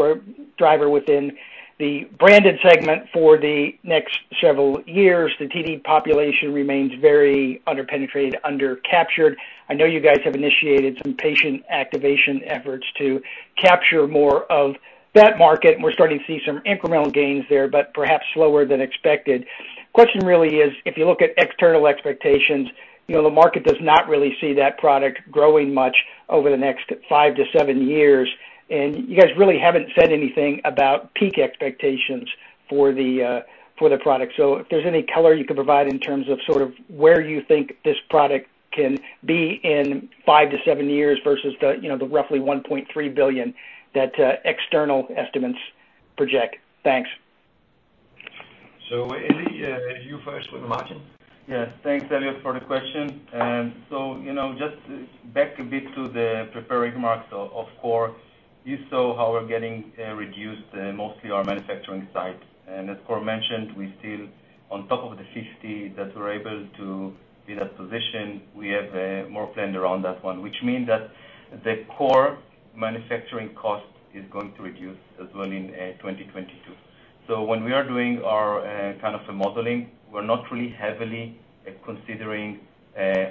driver within the branded segment for the next several years. The TD population remains very under-penetrated, under-captured. I know you guys have initiated some patient activation efforts to capture more of that market, and we're starting to see some incremental gains there, but perhaps slower than expected. Question really is, if you look at external expectations, you know, the market does not really see that product growing much over the next 5-7 years, and you guys really haven't said anything about peak expectations for the, for the product. If there's any color you could provide in terms of sort of where you think this product can be in 5-7 years versus the, you know, the roughly $1.3 billion that, external estimates project. Thanks. Eli, you first with the margin. Yeah. Thanks, Elliot, for the question. You know, just back a bit to the prepared remarks of Kåre. You saw how we're getting reduced mostly our manufacturing site. As Kåre mentioned, we still on top of the 50 that we're able to be that position, we have more planned around that one, which mean that the core manufacturing cost is going to reduce as well in 2022. When we are doing our kind of the modeling, we're not really heavily considering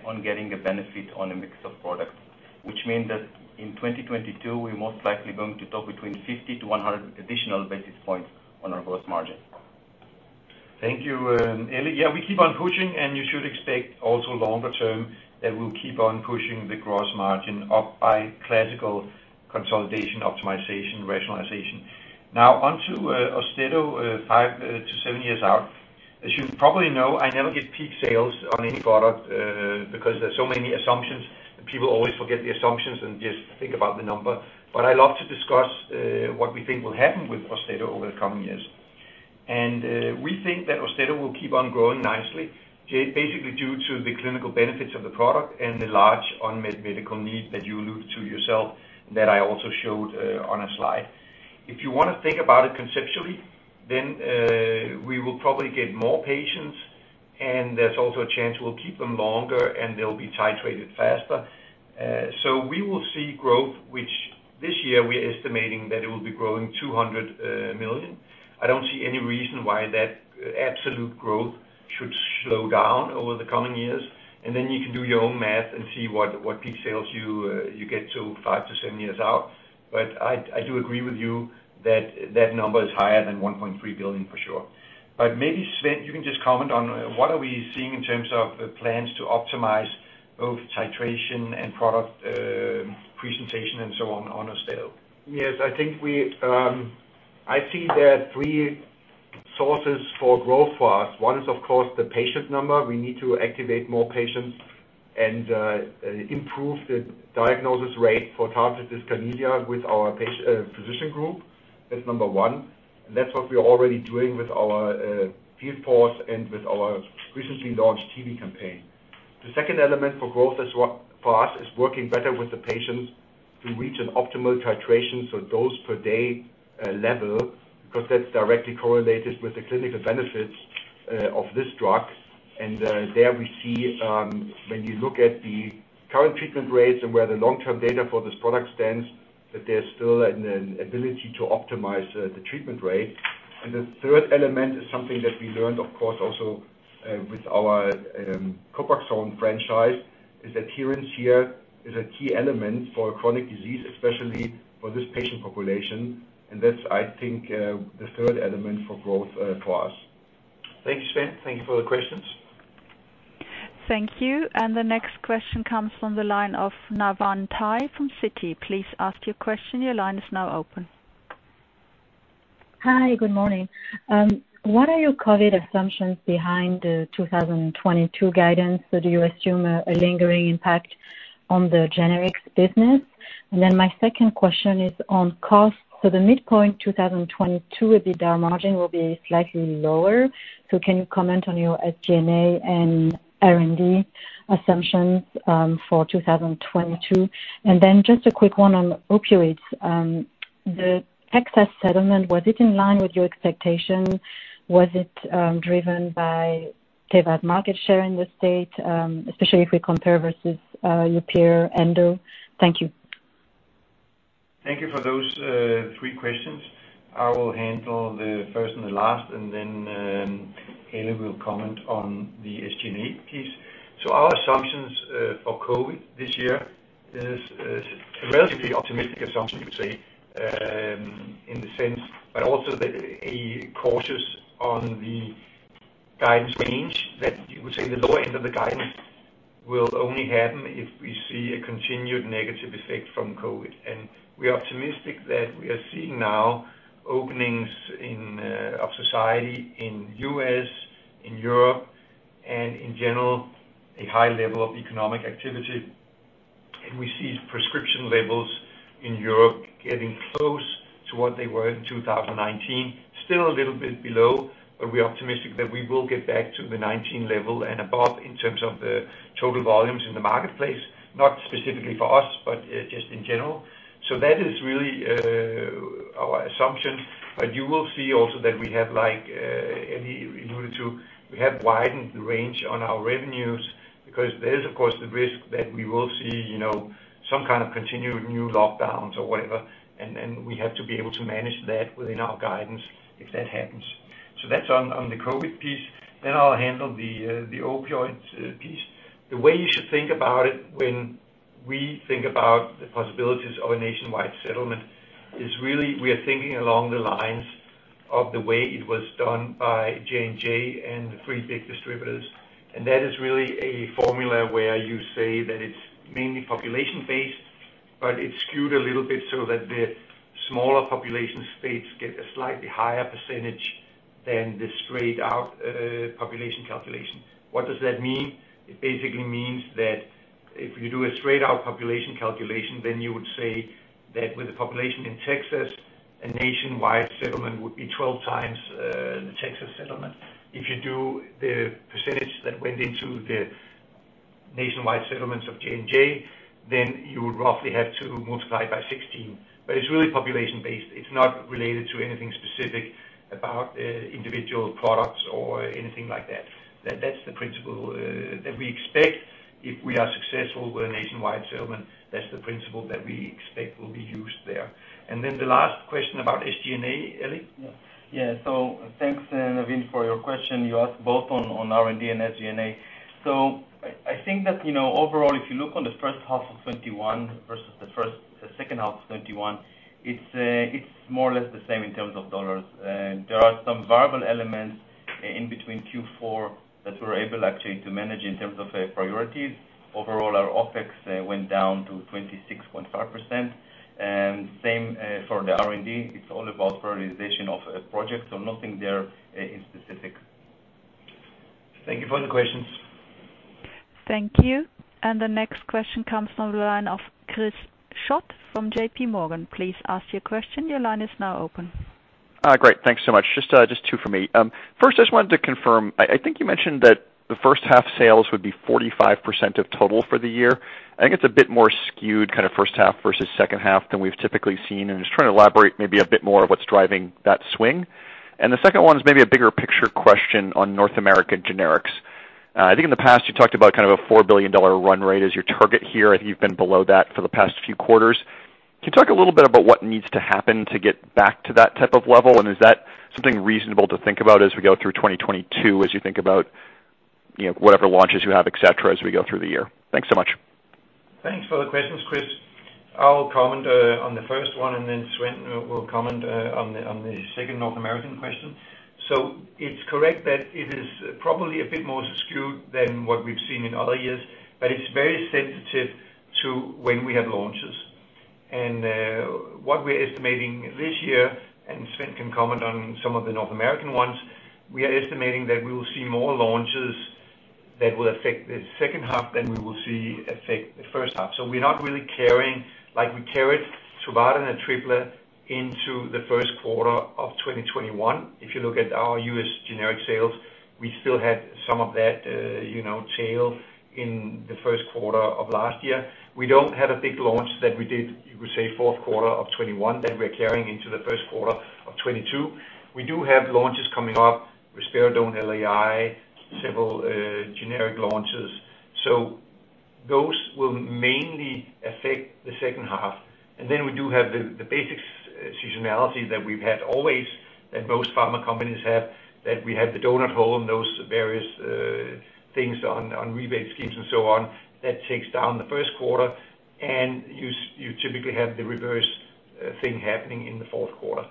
on getting a benefit on a mix of products, which mean that in 2022, we're most likely going to talk between 50-100 additional basis points on our gross margin. Thank you, Eli. We keep on pushing, and you should expect also longer term that we'll keep on pushing the gross margin up by classical consolidation, optimization, rationalization. Now onto Austedo, 5-7 years out. As you probably know, I never give peak sales on any product because there's so many assumptions, and people always forget the assumptions and just think about the number. But I love to discuss what we think will happen with Austedo over the coming years. We think that Austedo will keep on growing nicely, basically due to the clinical benefits of the product and the large unmet medical need that you allude to yourself, that I also showed on a slide. If you wanna think about it conceptually, then we will probably get more patients, and there's also a chance we'll keep them longer, and they'll be titrated faster. We will see growth, which this year we're estimating that it will be growing $200 million. I don't see any reason why that absolute growth should slow down over the coming years. Then you can do your own math and see what peak sales you get to 5-7 years out. I do agree with you that number is higher than $1.3 billion for sure. Maybe, Sven, you can just comment on what are we seeing in terms of plans to optimize both titration and product presentation and so on Austedo. Yes, I think we see there are three sources for growth for us. One is of course the patient number. We need to activate more patients and improve the diagnosis rate for tardive dyskinesia with our physician group. That's number one, and that's what we are already doing with our field force and with our recently launched TV campaign. The second element for growth for us is working better with the patients to reach an optimal titration, so dose per day level, because that's directly correlated with the clinical benefits of this drug. There we see, when you look at the current treatment rates and where the long-term data for this product stands, that there's still an ability to optimize the treatment rate. The third element is something that we learned, of course, also, with our Copaxone franchise, is adherence. Here is a key element for chronic disease, especially for this patient population. That's, I think, the third element for growth, for us. Thank you, Sven. Thank you for the questions. Thank you. The next question comes from the line of Navann Ty from Citi. Please ask your question. Your line is now open. Hi, good morning. What are your COVID assumptions behind the 2022 guidance? Do you assume a lingering impact on the generics business? My second question is on cost. The midpoint 2022 EBITDA margin will be slightly lower. Can you comment on your SG&A and R&D assumptions for 2022? Just a quick one on opioids. The Texas settlement, was it in line with your expectation? Was it driven by Teva's market share in the state, especially if we compare versus your peer Endo? Thank you. Thank you for those three questions. I will handle the first and the last, and then Eli will comment on the SG&A piece. Our assumptions for COVID this year is a relatively optimistic assumption, you could say, in the sense, but also a cautious on the guidance range that you would say the lower end of the guidance will only happen if we see a continued negative effect from COVID. We are optimistic that we are seeing now openings of society in U.S., in Europe, and in general, a high level of economic activity. We see prescription levels in Europe getting close to what they were in 2019. Still a little bit below, but we're optimistic that we will get back to the 19 level and above in terms of the total volumes in the marketplace, not specifically for us, but just in general. So that is really our assumption. But you will see also that we have like Eli alluded to, we have widened the range on our revenues because there is, of course, the risk that we will see, you know, some kind of continued new lockdowns or whatever. We have to be able to manage that within our guidance if that happens. So that's on the COVID piece. I'll handle the opioid piece. The way you should think about it when we think about the possibilities of a nationwide settlement is really we are thinking along the lines of the way it was done by J&J and the three big distributors. That is really a formula where you say that it's mainly population-based, but it's skewed a little bit so that the smaller population states get a slightly higher percentage than the straight out population calculation. What does that mean? It basically means that if you do a straight out population calculation, then you would say that with the population in Texas, a nationwide settlement would be 12 times the Texas settlement. If you do the percentage that went into the nationwide settlements of J&J, then you would roughly have to multiply by 16. It's really population-based. It's not related to anything specific about, individual products or anything like that. That's the principle that we expect if we are successful with a nationwide settlement, that's the principle that we expect will be used there. Then the last question about SG&A, Eli? Yeah. Thanks, Navann, for your question. You asked both on R&D and SG&A. I think that, you know, overall, if you look on the first half of 2021 versus the second half of 2021, it's more or less the same in terms of dollars. There are some variable elements in between Q4 that we're able actually to manage in terms of priorities. Overall, our OpEx went down to 26.5%. Same for the R&D. It's all about prioritization of projects, so nothing there in specific. Thank you for the questions. Thank you. The next question comes from the line of Chris Schott from JPMorgan. Please ask your question. Your line is now open. Great. Thanks so much. Just two for me. First, I just wanted to confirm, I think you mentioned that the first half sales would be 45% of total for the year. I think it's a bit more skewed kinda first half versus second half than we've typically seen, and just trying to elaborate maybe a bit more of what's driving that swing. The second one is maybe a bigger picture question on North American generics. I think in the past you talked about kind of a $4 billion run rate as your target here. I think you've been below that for the past few quarters. Can you talk a little bit about what needs to happen to get back to that type of level? Is that something reasonable to think about as we go through 2022 as you think about, you know, whatever launches you have, et cetera, as we go through the year? Thanks so much. Thanks for the questions, Chris. I'll comment on the first one, and then Sven will comment on the second North American question. It's correct that it is probably a bit more skewed than what we've seen in other years, but it's very sensitive to when we have launches. What we're estimating this year, and Sven can comment on some of the North American ones, we are estimating that we will see more launches that will affect the second half than we will see affect the first half. We're not really carrying, like we carried Truvada and Atripla into the first quarter of 2021. If you look at our U.S. generic sales, we still had some of that tail in the first quarter of last year. We don't have a big launch that we did, you could say, Q4 2021 that we're carrying into Q1 2022. We do have launches coming up, Risperidone LAI, several generic launches. Those will mainly affect the second half. Then we do have the basic seasonality that we've had always, that most pharma companies have, that we have the donut hole and those various things on rebate schemes and so on that takes down the first quarter. You typically have the reverse thing happening in the fourth quarter.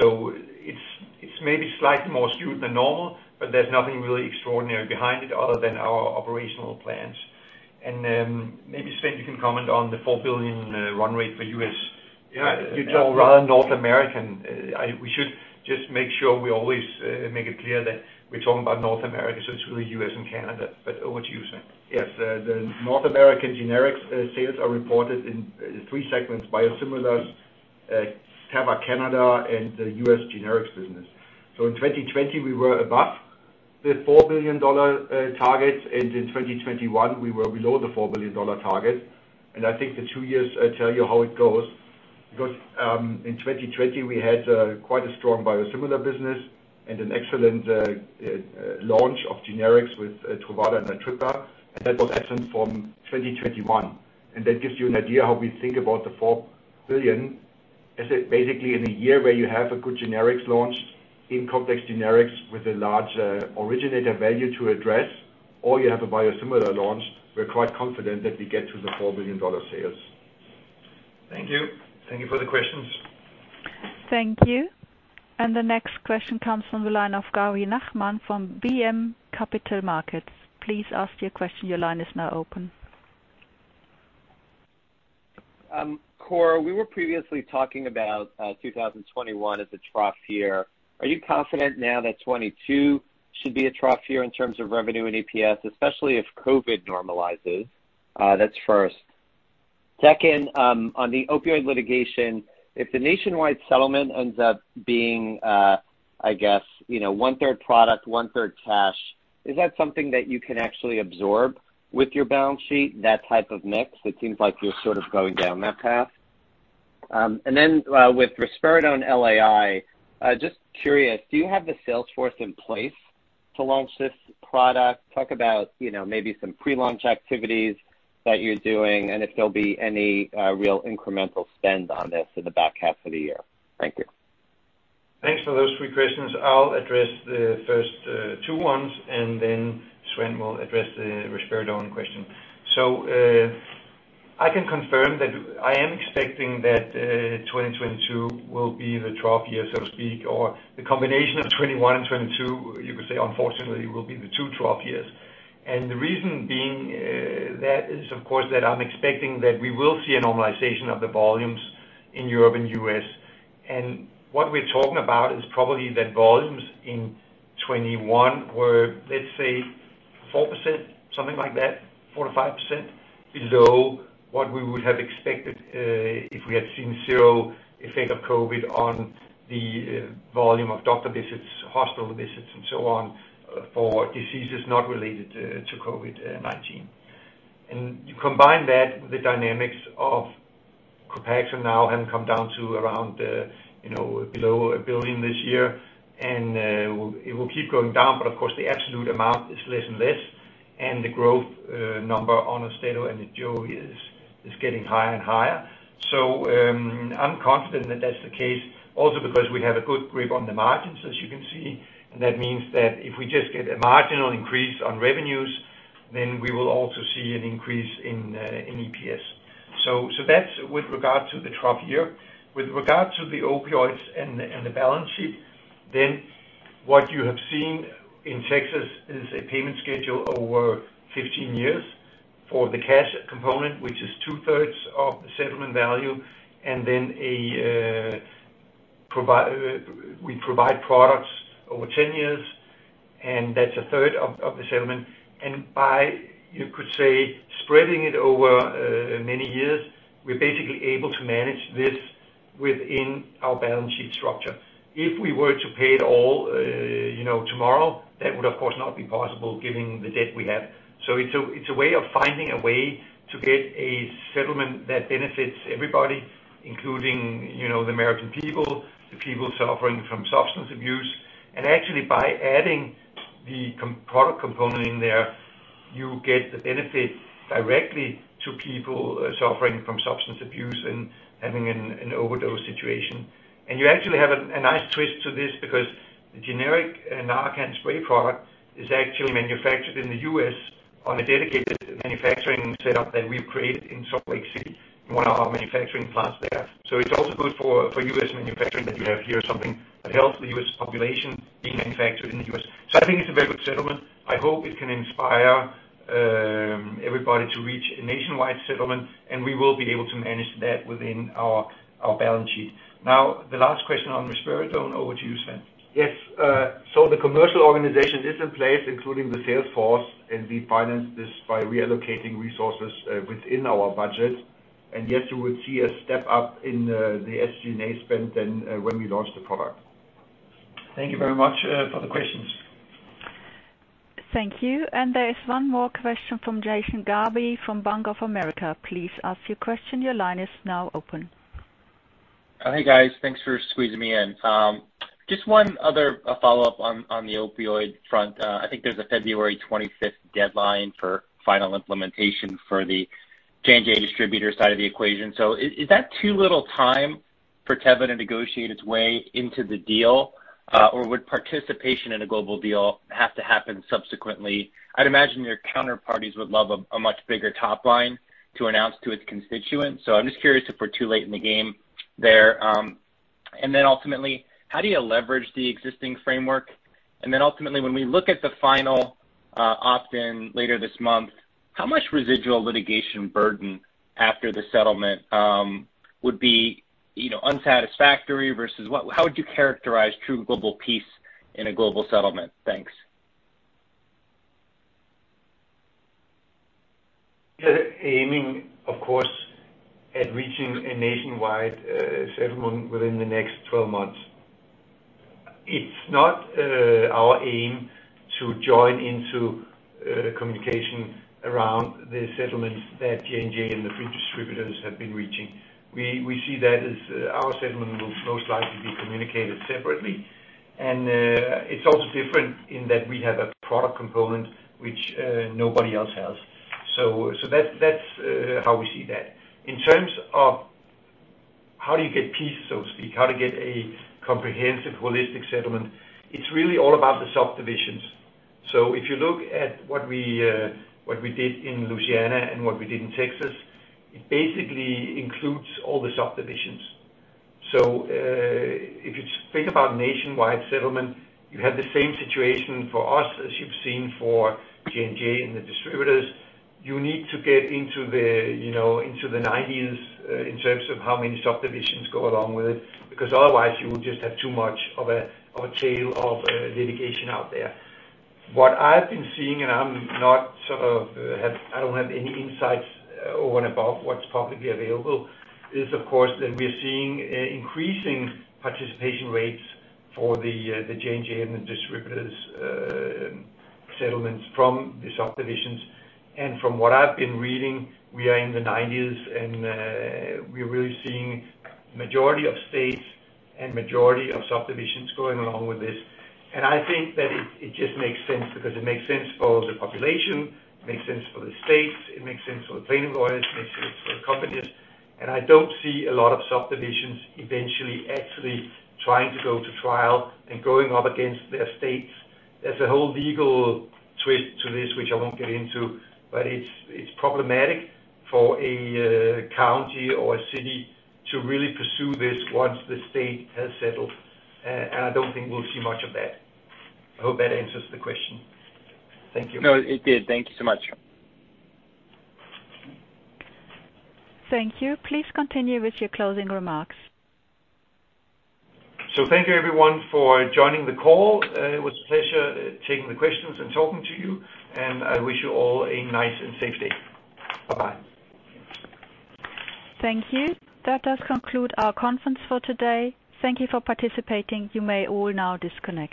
It's maybe slightly more skewed than normal, but there's nothing really extraordinary behind it other than our operational plans. Maybe Sven, you can comment on the $4 billion run rate for U.S. Yeah. It's all run North American. We should just make sure we always make it clear that we're talking about North America, so it's really U.S. and Canada. Over to you, Sven. Yes. The North American generics sales are reported in three segments, biosimilars, Teva Canada, and the U.S. generics business. In 2020, we were above the $4 billion target, and in 2021, we were below the $4 billion target. I think the two years tell you how it goes because in 2020, we had quite a strong biosimilar business and an excellent launch of generics with Truvada and Atripla, and that was absent from 2021. That gives you an idea how we think about the $4 billion. As it basically in a year where you have a good generics launch in complex generics with a large originator value to address, or you have a biosimilar launch, we're quite confident that we get to the $4 billion sales. Thank you. Thank you for the questions. Thank you. The next question comes from the line of Gary Nachman from BMO Capital Markets. Please ask your question. Your line is now open. Kåre, we were previously talking about 2021 as a trough year. Are you confident now that 2022 should be a trough year in terms of revenue and EPS, especially if COVID normalizes? That's first. Second, on the opioid litigation, if the nationwide settlement ends up being, I guess, you know, one-third product, one-third cash, is that something that you can actually absorb with your balance sheet, that type of mix? It seems like you're sort of going down that path. And then, with Risperidone LAI, just curious, do you have the sales force in place to launch this product? Talk about, you know, maybe some pre-launch activities that you're doing, and if there'll be any real incremental spend on this in the back half of the year. Thank you. Thanks for those three questions. I'll address the first two ones, and then Sven will address the Risperidone question. I can confirm that I am expecting that 2022 will be the trough year, so to speak, or the combination of 2021 and 2022, you could say, unfortunately, will be the two trough years. The reason being, that is, of course, that I'm expecting that we will see a normalization of the volumes in Europe and U.S. What we're talking about is probably that volumes in 2021 were, let's say, 4%, something like that, 4%-5% below what we would have expected, if we had seen zero effect of COVID on the volume of doctor visits, hospital visits, and so on for diseases not related to COVID-19. You combine that with the dynamics of Copaxone now having come down to around, you know, below $1 billion this year, and it will keep going down, but of course, the absolute amount is less and less, and the growth number on Otezla and Ajovy is getting higher and higher. So, I'm confident that that's the case also because we have a good grip on the margins, as you can see. And that means that if we just get a marginal increase on revenues, then we will also see an increase in EPS. So that's with regard to the trough year. With regard to the opioids and the balance sheet, what you have seen in Texas is a payment schedule over 15 years for the cash component, which is two-thirds of the settlement value, and then we provide products over 10 years, and that's a third of the settlement. By, you could say, spreading it over many years, we're basically able to manage this within our balance sheet structure. If we were to pay it all, you know, tomorrow, that would, of course, not be possible given the debt we have. It's a way of finding a way to get a settlement that benefits everybody, including, you know, the American people, the people suffering from substance abuse. Actually, by adding the product component in there, you get the benefit directly to people suffering from substance abuse and having an overdose situation. You actually have a nice twist to this because generic Narcan spray product is actually manufactured in the U.S. on a dedicated manufacturing setup that we've created in Salt Lake City in one of our manufacturing plants there. It's also good for US manufacturing that you have here something that helps the US.population being manufactured in the U.S. I think it's a very good settlement. I hope it can inspire everybody to reach a nationwide settlement, and we will be able to manage that within our balance sheet. Now, the last question on Risperidone. Over to you, Sven. Yes. The commercial organization is in place, including the sales force, and we finance this by reallocating resources within our budget. Yes, you will see a step up in the SG&A spend than when we launched the product. Thank you very much for the questions. Thank you. There is one more question from Jason Gerberry from Bank of America. Please ask your question. Your line is now open. Hey, guys. Thanks for squeezing me in. Just one other follow-up on the opioid front. I think there's a February twenty-fifth deadline for final implementation for the J&J distributor side of the equation. Is that too little time for Teva to negotiate its way into the deal? Or would participation in a global deal have to happen subsequently? I'd imagine your counterparties would love a much bigger top line to announce to its constituents. I'm just curious if we're too late in the game there. Ultimately, how do you leverage the existing framework? Ultimately, when we look at the final opt-in later this month, how much residual litigation burden after the settlement would be, you know, unsatisfactory versus what, how would you characterize true global peace in a global settlement? Thanks. We're aiming, of course, at reaching a nationwide settlement within the next 12 months. It's not our aim to join into communication around the settlements that J&J and the three distributors have been reaching. We see that as our settlement will most likely be communicated separately. It's also different in that we have a product component which nobody else has. So that's how we see that. In terms of how do you get peace, so to speak, how to get a comprehensive holistic settlement, it's really all about the subdivisions. If you look at what we did in Louisiana and what we did in Texas, it basically includes all the subdivisions. If you think about nationwide settlement, you have the same situation for us as you've seen for J&J and the distributors. You need to get into the, you know, into the nineties in terms of how many subdivisions go along with it, because otherwise you will just have too much of a tail of litigation out there. What I've been seeing, and I don't have any insights over and above what's publicly available, is of course that we're seeing increasing participation rates for the J&J and the distributors' settlements from the subdivisions. From what I've been reading, we are in the nineties, and we're really seeing majority of states and majority of subdivisions going along with this. I think that it just makes sense because it makes sense for the population, it makes sense for the states, it makes sense for the plaintiff lawyers, it makes sense for the companies. I don't see a lot of subdivisions eventually actually trying to go to trial and going up against their states. There's a whole legal twist to this, which I won't get into, but it's problematic for a county or a city to really pursue this once the state has settled. I don't think we'll see much of that. I hope that answers the question. Thank you. No, it did. Thank you so much. Thank you. Please continue with your closing remarks. Thank you everyone for joining the call. It was a pleasure taking the questions and talking to you. I wish you all a nice and safe day. Bye-bye. Thank you. That does conclude our conference for today. Thank you for participating. You may all now disconnect.